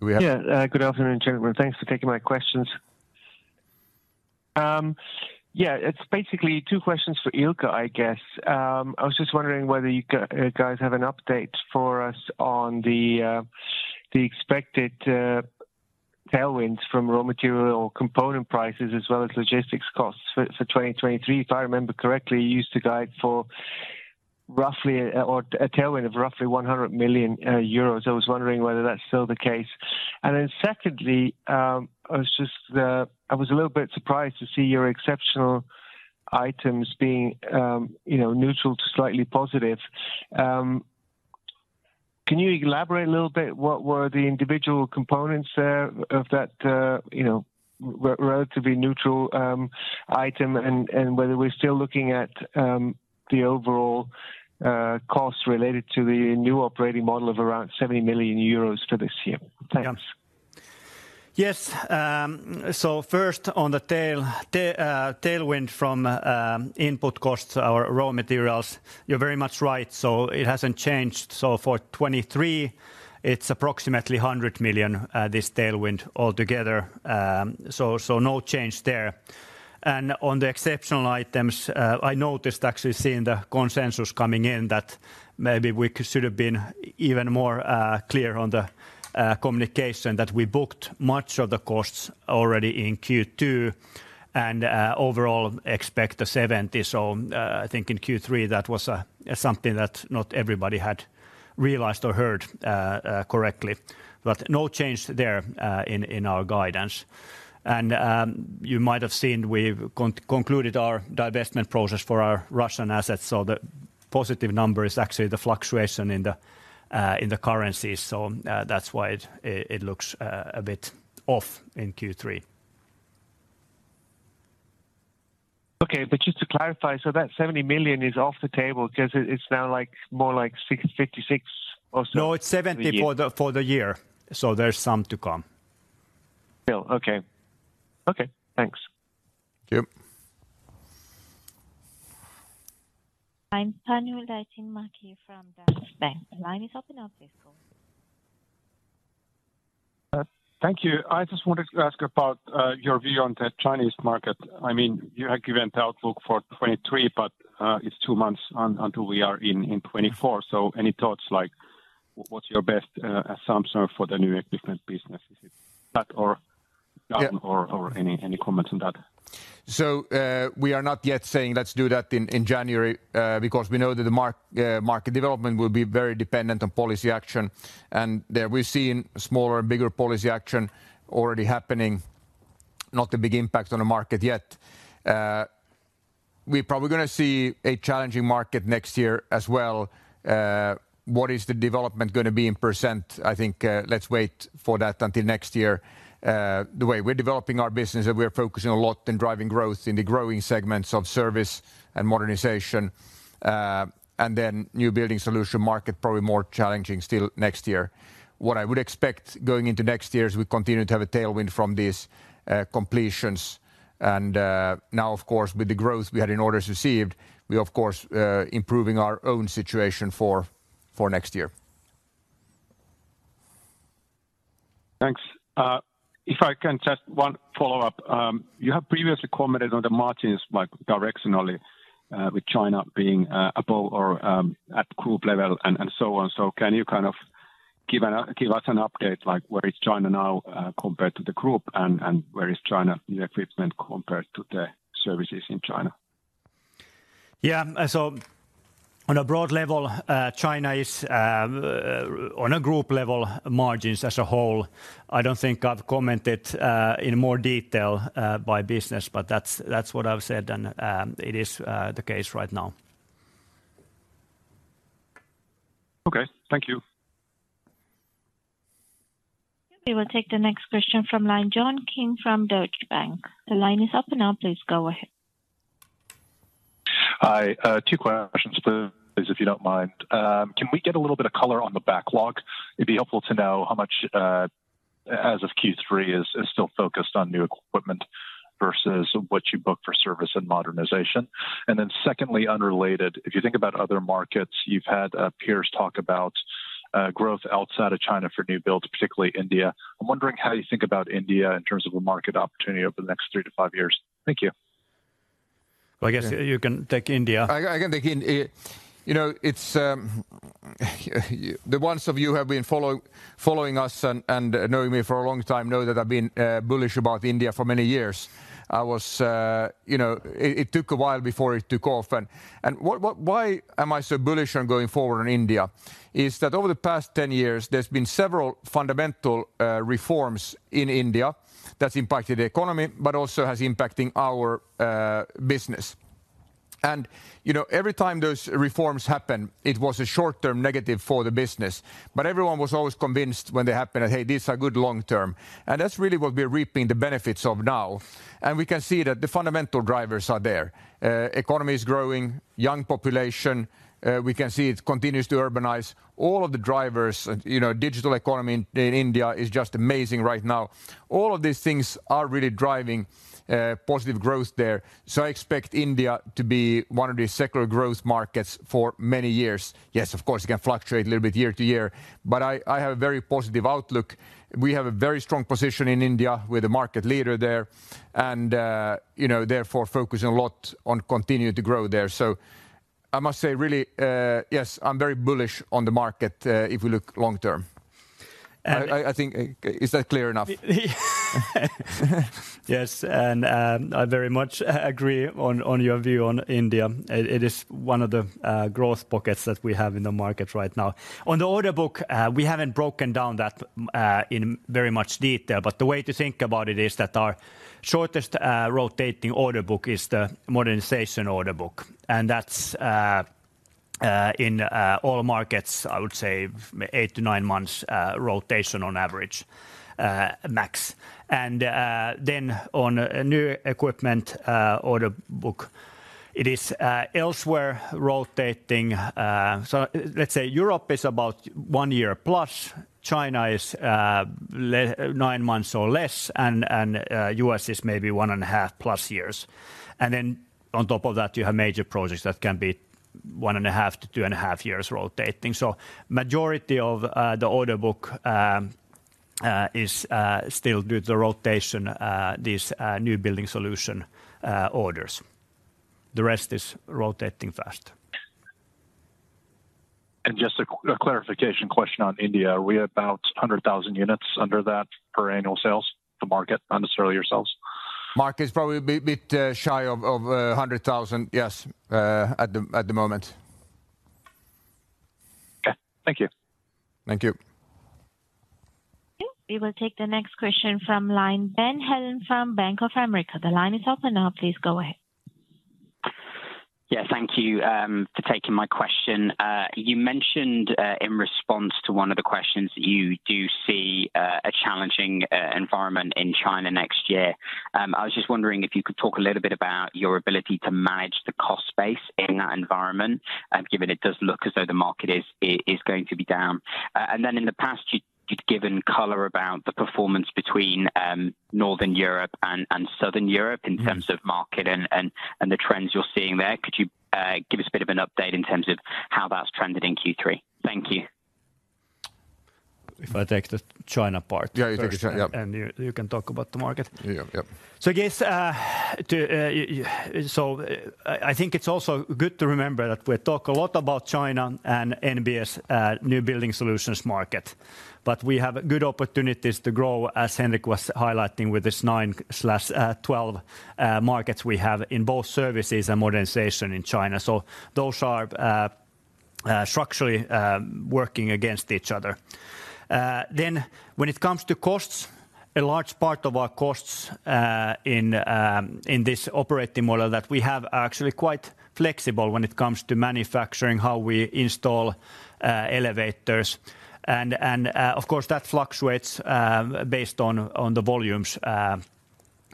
Do we have- Yeah, good afternoon, gentlemen. Thanks for taking my questions. Yeah, it's basically two questions for Ilkka, I guess. I was just wondering whether you guys have an update for us on the expected tailwinds from raw material or component prices, as well as logistics costs for 2023. If I remember correctly, you used to guide for roughly or a tailwind of roughly 100 million euros. I was wondering whether that's still the case. And then secondly, I was just, I was a little bit surprised to see your exceptional items being, you know, neutral to slightly positive. Can you elaborate a little bit, what were the individual components thereof that, you know, relatively neutral item, and whether we're still looking at the overall costs related to the new operating model of around 70 million euros for this year? Thanks. Yeah. Yes, so first on the tailwind from input costs or raw materials, you're very much right, so it hasn't changed. So for 2023, it's approximately 100 million this tailwind altogether. So no change there. And on the exceptional items, I noticed actually seeing the consensus coming in, that maybe we should have been even more clear on the communication, that we booked much of the costs already in Q2, and overall expect the 70. So I think in Q3, that was something that not everybody had realized or heard correctly. But no change there in our guidance. And you might have seen, we've concluded our divestment process for our Russian assets, so the positive number is actually the fluctuation in the currency. That's why it looks a bit off in Q3. Okay, but just to clarify, so that 70 million is off the table because it's now, like, more like 56 or so? No, it's 70 for the year, so there's some to come. Still, okay. Okay, thanks. Thank you. I'm Panu Laitinmäki from Danske Bank. The line is open now, please go. Thank you. I just wanted to ask about your view on the Chinese market. I mean, you have given the outlook for 2023, but it's two months until we are in 2024. So any thoughts, like what's your best assumption for the new equipment business? Is it that or any comments on that? So, we are not yet saying let's do that in January, because we know that the market development will be very dependent on policy action. And there we're seeing smaller and bigger policy action already happening, not a big impact on the market yet. We're probably gonna see a challenging market next year as well. What is the development gonna be in percent? I think, let's wait for that until next year. The way we're developing our business, and we're focusing a lot on driving growth in the growing segments of Service and Modernization, and then New Building Solutions market, probably more challenging still next year. What I would expect going into next year is we continue to have a tailwind from these completions. Now, of course, with the growth we had in orders received, we of course, improving our own situation for next year. Thanks. If I can just one follow-up. You have previously commented on the margins, like, directionally, with China being above or at group level and so on. So can you kind of give us an update, like, where is China now compared to the group, and where is China in equipment compared to the services in China? Yeah. So on a broad level, China is on a group level margins as a whole. I don't think I've commented in more detail by business, but that's what I've said, and it is the case right now. Okay, thank you. We will take the next question from line, John Kim from Deutsche Bank. The line is open now, please go ahead. Hi, two questions, please, if you don't mind. Can we get a little bit of color on the backlog? It'd be helpful to know how much, as of Q3, is still focused on new equipment versus what you book for service and modernization. And then secondly, unrelated, if you think about other markets, you've had peers talk about growth outside of China for new builds, particularly India. I'm wondering how you think about India in terms of a market opportunity over the next 3-5 years. Thank you. Well, I guess you can take India. You know, it's the ones of you who have been following us and knowing me for a long time know that I've been bullish about India for many years. I was. You know, it took a while before it took off. And why am I so bullish on going forward in India? Is that over the past 10 years, there's been several fundamental reforms in India that's impacted the economy, but also has impacting our business. And you know, every time those reforms happen, it was a short-term negative for the business, but everyone was always convinced when they happened that, "Hey, these are good long-term." And that's really what we're reaping the benefits of now. And we can see that the fundamental drivers are there. Economy is growing, young population, we can see it continues to urbanize. All of the drivers, you know, digital economy in, in India is just amazing right now. All of these things are really driving positive growth there. So I expect India to be one of the secular growth markets for many years. Yes, of course, it can fluctuate a little bit year to year, but I have a very positive outlook. We have a very strong position in India. We're the market leader there, and, you know, therefore focusing a lot on continuing to grow there. So I must say, really, yes, I'm very bullish on the market, if you look long term. Is that clear enough? Yes, I very much agree on your view on India. It is one of the growth pockets that we have in the market right now. On the order book, we haven't broken down that in very much detail, but the way to think about it is that our shortest rotating order book is the modernization order book. And that's in all markets, I would say 8-9 months rotation on average, max. And then on a new equipment order book, it is elsewhere rotating. So let's say Europe is about 1+ year, China is nine months or less, and U.S. is maybe 1.5+ years. Then on top of that, you have major projects that can be 1.5-2.5 years rotating. Majority of the order book is still do the rotation these New Building Solution orders. The rest is rotating fast. Just a clarification question on India. Are we about 100,000 units under that per annual sales? The market, not necessarily yourselves. Market is probably a bit shy of 100,000, yes, at the moment. Okay. Thank you. Thank you. Thank you. We will take the next question from line, Ben Heelan from Bank of America. The line is open now, please go ahead. Yeah, thank you for taking my question. You mentioned, in response to one of the questions, you do see a challenging environment in China next year. I was just wondering if you could talk a little bit about your ability to manage the cost base in that environment, given it does look as though the market is going to be down. And then in the past, you'd given color about the performance between Northern Europe and Southern Europe in terms of market and the trends you're seeing there. Could you give us a bit of an update in terms of how that's trended in Q3? Thank you. If I take the China part first- Yeah, you take China. Yep. And you can talk about the market? Yep, yep. I think it's also good to remember that we talk a lot about China and NBS, New Building Solutions market, but we have good opportunities to grow, as Henrik was highlighting, with this 9/12 markets we have in both services and modernization in China. So those are structurally working against each other. Then when it comes to costs, a large part of our costs in this operating model that we have are actually quite flexible when it comes to manufacturing, how we install elevators. And of course, that fluctuates based on the volumes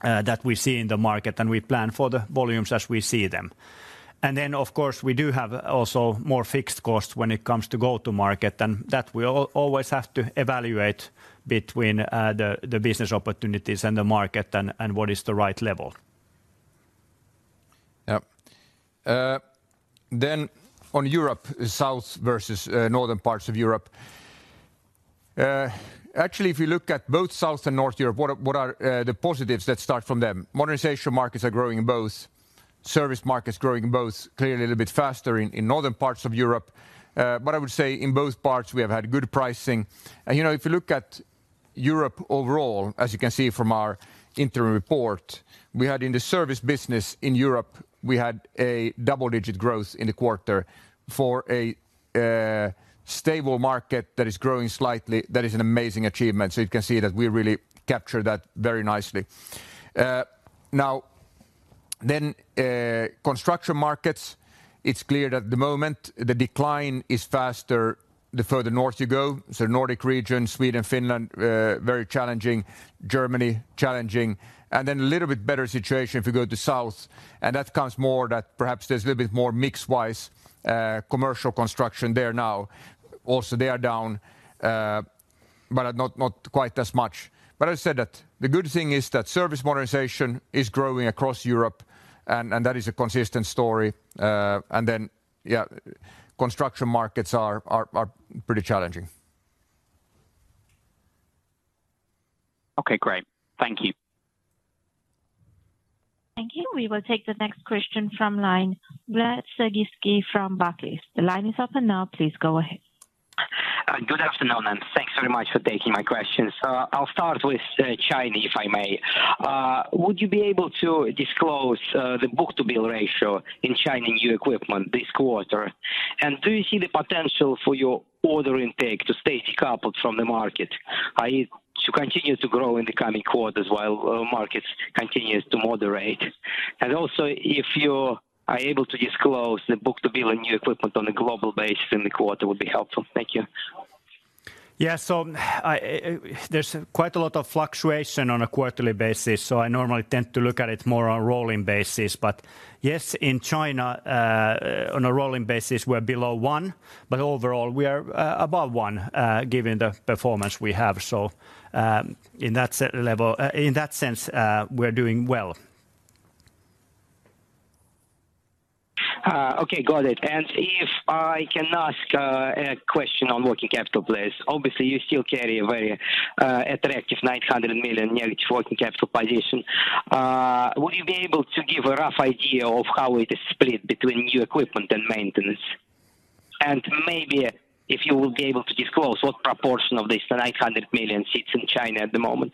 that we see in the market, and we plan for the volumes as we see them. Then, of course, we do have also more fixed costs when it comes to go-to-market, and that we always have to evaluate between the business opportunities and the market and what is the right level. Yep. Then on Europe, south versus northern parts of Europe. Actually, if you look at both South and North Europe, what are the positives that start from them? Modernization markets are growing in both, service markets growing in both, clearly a little bit faster in northern parts of Europe. But I would say in both parts we have had good pricing. And, you know, if you look at Europe overall, as you can see from our interim report, we had in the service business in Europe, we had a double-digit growth in the quarter. For a stable market that is growing slightly, that is an amazing achievement. So you can see that we really capture that very nicely. Now, then, construction markets, it's clear that at the moment, the decline is faster the further north you go. So Nordic region, Sweden, Finland, very challenging. Germany, challenging. And then a little bit better situation if you go to south, and that comes more that perhaps there's a little bit more mix-wise, commercial construction there now. Also, they are down, but not quite as much. But I said that the good thing is that service modernization is growing across Europe, and that is a consistent story. And then, yeah, construction markets are pretty challenging. Okay, great. Thank you. Thank you. We will take the next question from line, Vlad Sergievskiy from Barclays. The line is open now, please go ahead. Good afternoon, and thanks very much for taking my questions. I'll start with China, if I may. Would you be able to disclose the book-to-bill ratio in China new equipment this quarter? And do you see the potential for your order intake to stay decoupled from the market, i.e., to continue to grow in the coming quarters while markets continues to moderate? And also, if you are able to disclose the book-to-bill in new equipment on a global basis in the quarter, would be helpful. Thank you. Yeah, so there's quite a lot of fluctuation on a quarterly basis, so I normally tend to look at it more on a rolling basis. But yes, in China, on a rolling basis, we're below one, but overall, we are above one, given the performance we have. So, in that sense, we're doing well. Okay, got it. If I can ask a question on working capital, please. Obviously, you still carry a very attractive 900 million net working capital position. Would you be able to give a rough idea of how it is split between new equipment and maintenance? And maybe if you would be able to disclose what proportion of this 900 million sits in China at the moment.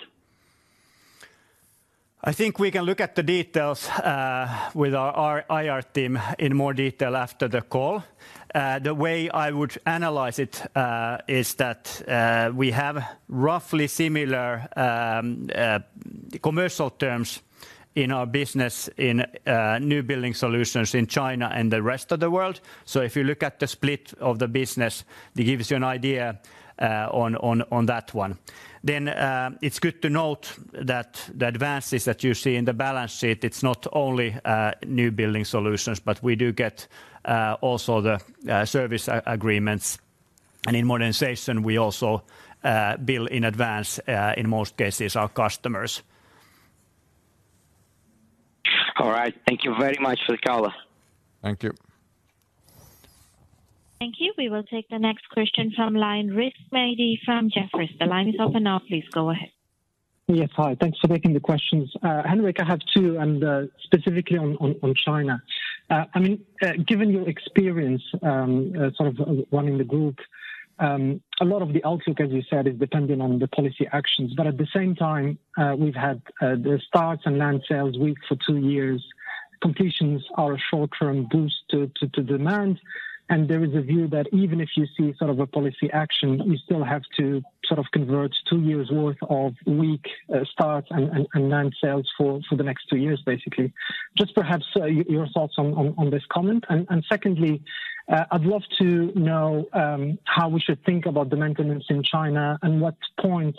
I think we can look at the details with our IR team in more detail after the call. The way I would analyze it is that we have roughly similar commercial terms in our business in new building solutions in China and the rest of the world. So if you look at the split of the business, it gives you an idea on that one. Then, it's good to note that the advances that you see in the balance sheet, it's not only new building solutions, but we do get also the service agreements. And in modernization, we also bill in advance in most cases, our customers. All right. Thank you very much for the call. Thank you. Thank you. We will take the next question from line, Rizk Maidi from Jefferies. The line is open now, please go ahead. Yes, hi. Thanks for taking the questions. Henrik, I have two, and specifically on China. I mean, given your experience, sort of running the group, a lot of the outlook, as you said, is dependent on the policy actions. But at the same time, we've had the starts and land sales weak for two years. Completions are a short-term boost to demand, and there is a view that even if you see sort of a policy action, you still have to sort of convert two years' worth of weak starts and land sales for the next two years, basically. Just perhaps your thoughts on this comment. Secondly, I'd love to know how we should think about the maintenance in China and what point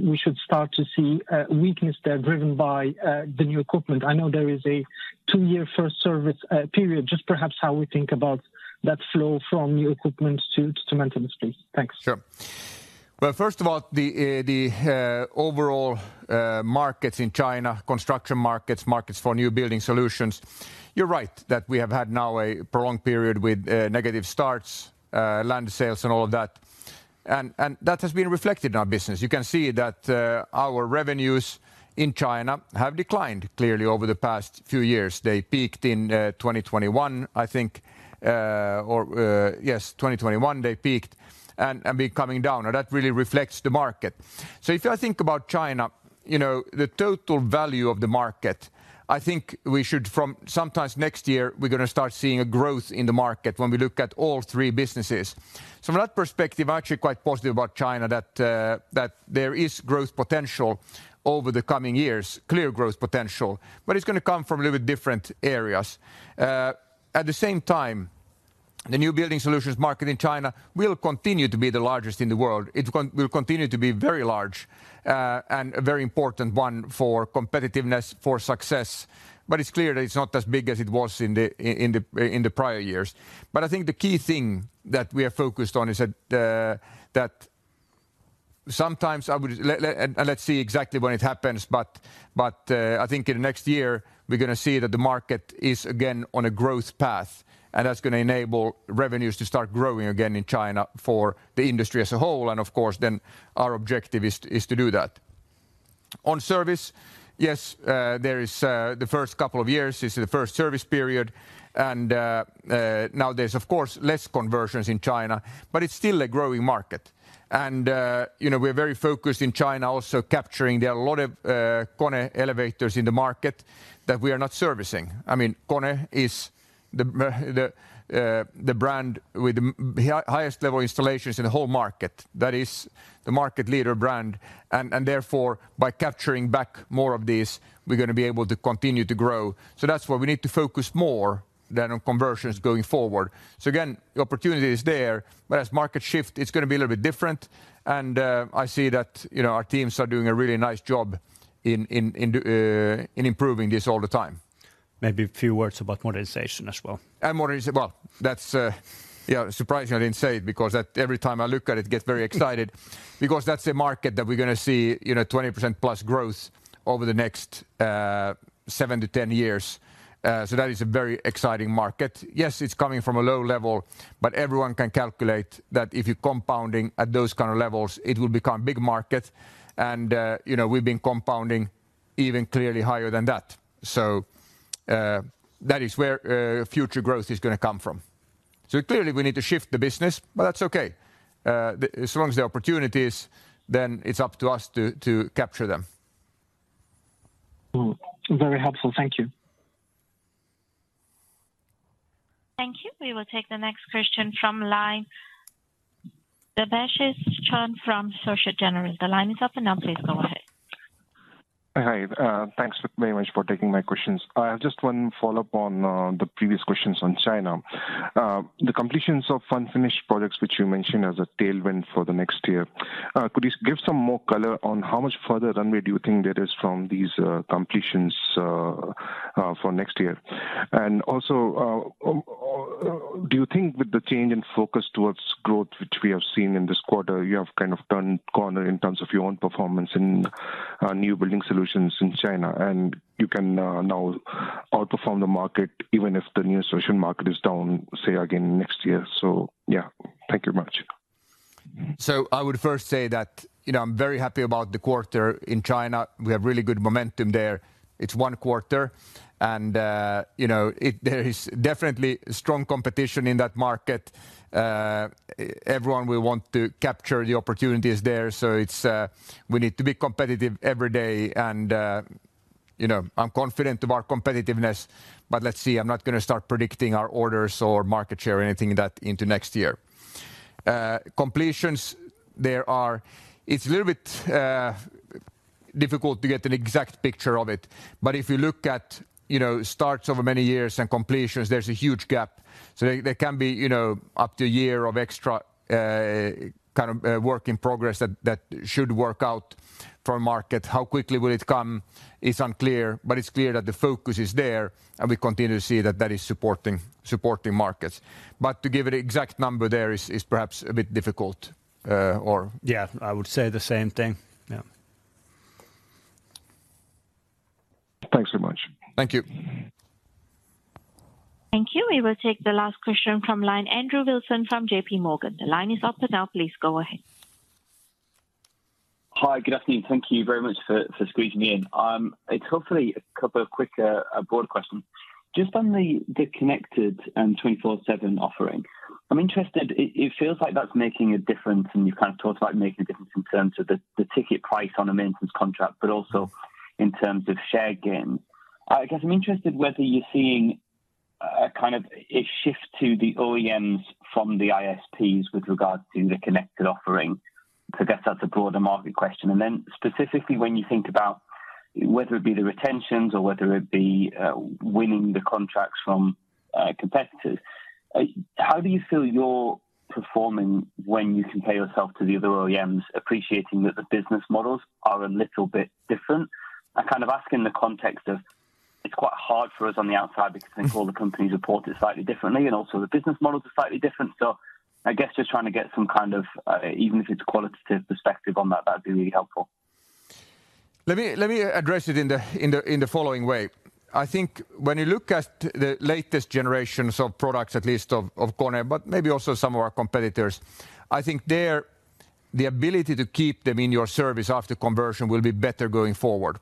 we should start to see weakness there driven by the new equipment. I know there is a two-year first service period, just perhaps how we think about that flow from new equipment to maintenance, please. Thanks. Sure. Well, first of all, the overall markets in China, construction markets, markets for new building solutions, you're right, that we have had now a prolonged period with negative starts, land sales and all of that. And that has been reflected in our business. You can see that our revenues in China have declined clearly over the past few years. They peaked in 2021, I think, or... Yes, 2021, they peaked and been coming down, and that really reflects the market. So if I think about China, you know, the total value of the market, I think we should from sometime next year, we're going to start seeing a growth in the market when we look at all three businesses. So from that perspective, I'm actually quite positive about China, that there is growth potential over the coming years, clear growth potential, but it's going to come from a little bit different areas. At the same time, the new building solutions market in China will continue to be the largest in the world. It will continue to be very large, and a very important one for competitiveness, for success, but it's clear that it's not as big as it was in the prior years. But I think the key thing that we are focused on is that, let's see exactly when it happens, but I think in the next year, we're going to see that the market is again on a growth path, and that's going to enable revenues to start growing again in China for the industry as a whole, and of course, then our objective is to do that. On service, yes, there is the first couple of years is the first service period, and now there's, of course, less conversions in China, but it's still a growing market. And, you know, we're very focused in China also capturing... There are a lot of KONE elevators in the market that we are not servicing. I mean, KONE is the brand with the highest level installations in the whole market. That is the market leader brand, and therefore, by capturing back more of these, we're going to be able to continue to grow. So that's where we need to focus more than on conversions going forward. So again, the opportunity is there, but as markets shift, it's going to be a little bit different. And I see that, you know, our teams are doing a really nice job in improving this all the time. Maybe a few words about modernization as well. Well, that's, yeah, surprising I didn't say it, because at every time I look at it, I get very excited. Because that's a market that we're going to see, you know, 20%+ growth over the next 7-10 years. So that is a very exciting market. Yes, it's coming from a low level, but everyone can calculate that if you're compounding at those kind of levels, it will become big market. And, you know, we've been compounding even clearly higher than that. So, that is where future growth is going to come from. So clearly, we need to shift the business, but that's okay. As long as there are opportunities, then it's up to us to capture them. Mm-hmm. Very helpful. Thank you. Thank you. We will take the next question from line, Debashis Chand from SocGen. The line is open now, please go ahead. Hi, thanks very much for taking my questions. I have just one follow-up on the previous questions on China. The completions of unfinished products, which you mentioned as a tailwind for the next year, could you give some more color on how much further runway do you think there is from these completions for next year? And also, do you think with the change in focus towards growth, which we have seen in this quarter, you have kind of turned the corner in terms of your own performance in New Building Solutions in China, and you can now outperform the market, even if the New Building Solutions market is down, say, again, next year? So, yeah. Thank you very much. So I would first say that, you know, I'm very happy about the quarter in China. We have really good momentum there. It's one quarter and, you know, there is definitely strong competition in that market. Everyone will want to capture the opportunities there, so it's, we need to be competitive every day and, you know, I'm confident of our competitiveness. But let's see, I'm not gonna start predicting our orders or market share or anything that into next year. Completions, there is a little bit difficult to get an exact picture of it. But if you look at, you know, starts over many years and completions, there's a huge gap. So there, there can be, you know, up to a year of extra, kind of, work in progress that, that should work out for our market. How quickly will it come? It's unclear, but it's clear that the focus is there, and we continue to see that that is supporting markets. But to give an exact number there is, is perhaps a bit difficult. Yeah, I would say the same thing. Yeah. Thanks so much. Thank you. Thank you. We will take the last question from line, Andrew Wilson from JP Morgan. The line is open now, please go ahead. Hi, good afternoon. Thank you very much for squeezing me in. It's hopefully a couple of quick broad questions. Just on the connected and 24/7 offering, I'm interested. It feels like that's making a difference, and you've kind of talked about making a difference in terms of the ticket price on a maintenance contract, but also in terms of share gains. I guess I'm interested whether you're seeing a kind of a shift to the OEMs from the ISPs with regards to the connected offering. So I guess that's a broader market question. And then specifically, when you think about whether it be the retentions or whether it be winning the contracts from competitors, how do you feel you're performing when you compare yourself to the other OEMs, appreciating that the business models are a little bit different? I kind of ask in the context of it's quite hard for us on the outside because I think all the companies report it slightly differently, and also the business models are slightly different. So I guess just trying to get some kind of, even if it's qualitative perspective on that, that'd be really helpful. Let me address it in the following way. I think when you look at the latest generations of products, at least of KONE, but maybe also some of our competitors, I think the ability to keep them in your service after conversion will be better going forward.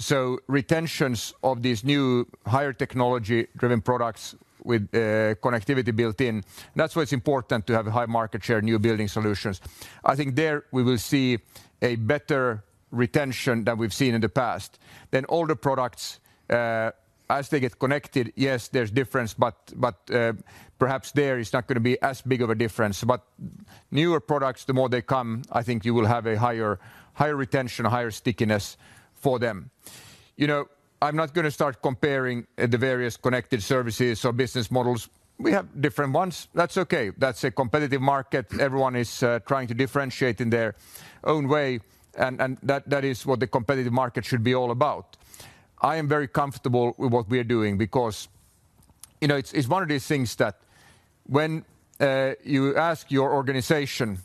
So retentions of these new, higher technology-driven products with connectivity built in, that's why it's important to have a high market share in new building solutions. I think there we will see a better retention than we've seen in the past. Then older products, as they get connected, yes, there's difference, but perhaps there it's not gonna be as big of a difference. But newer products, the more they come, I think you will have a higher retention, higher stickiness for them. You know, I'm not gonna start comparing, the various connected services or business models. We have different ones. That's okay. That's a competitive market, everyone is, trying to differentiate in their own way, and that is what the competitive market should be all about. I am very comfortable with what we are doing because, you know, it's one of these things that when, you ask your organization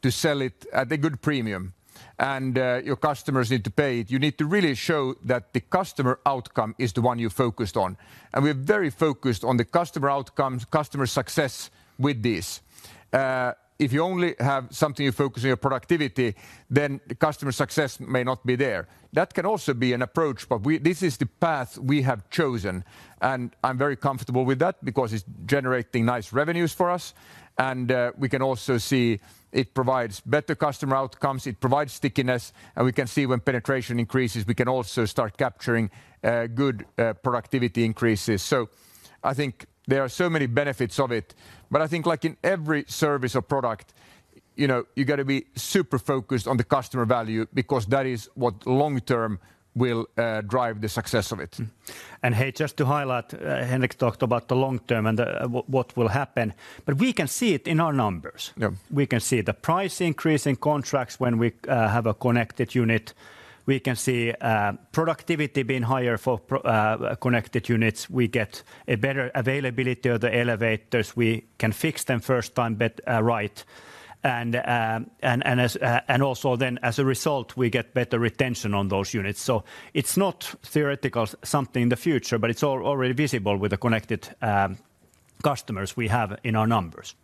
to sell it at a good premium and your customers need to pay it, you need to really show that the customer outcome is the one you focused on. And we're very focused on the customer outcomes, customer success with this. If you only have something, you focus on your productivity, then the customer success may not be there. That can also be an approach, but we, this is the path we have chosen, and I'm very comfortable with that because it's generating nice revenues for us, and we can also see it provides better customer outcomes, it provides stickiness, and we can see when penetration increases, we can also start capturing good productivity increases. So I think there are so many benefits of it. But I think like in every service or product, you know, you got to be super focused on the customer value because that is what long term will drive the success of it. Mm-hmm. And, hey, just to highlight, Henrik talked about the long term and, what, what will happen, but we can see it in our numbers. Yeah. We can see the price increase in contracts when we have a connected unit. We can see productivity being higher for connected units. We get a better availability of the elevators. We can fix them first time right. And also then, as a result, we get better retention on those units. So it's not theoretical, something in the future, but it's already visible with the connected customers we have in our numbers.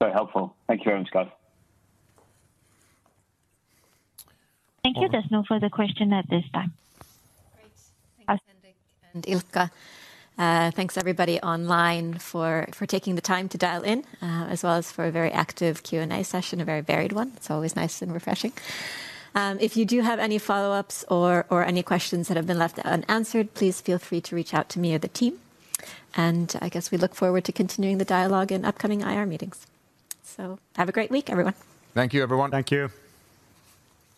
Very helpful. Thank you very much, guys. Thank you. There's no further question at this time. Great. Thanks, Henrik and Ilkka. Thanks, everybody online, for taking the time to dial in, as well as for a very active Q&A session, a very varied one. It's always nice and refreshing. If you do have any follow-ups or any questions that have been left unanswered, please feel free to reach out to me or the team. And I guess we look forward to continuing the dialogue in upcoming IR meetings. So have a great week, everyone. Thank you, everyone. Thank you.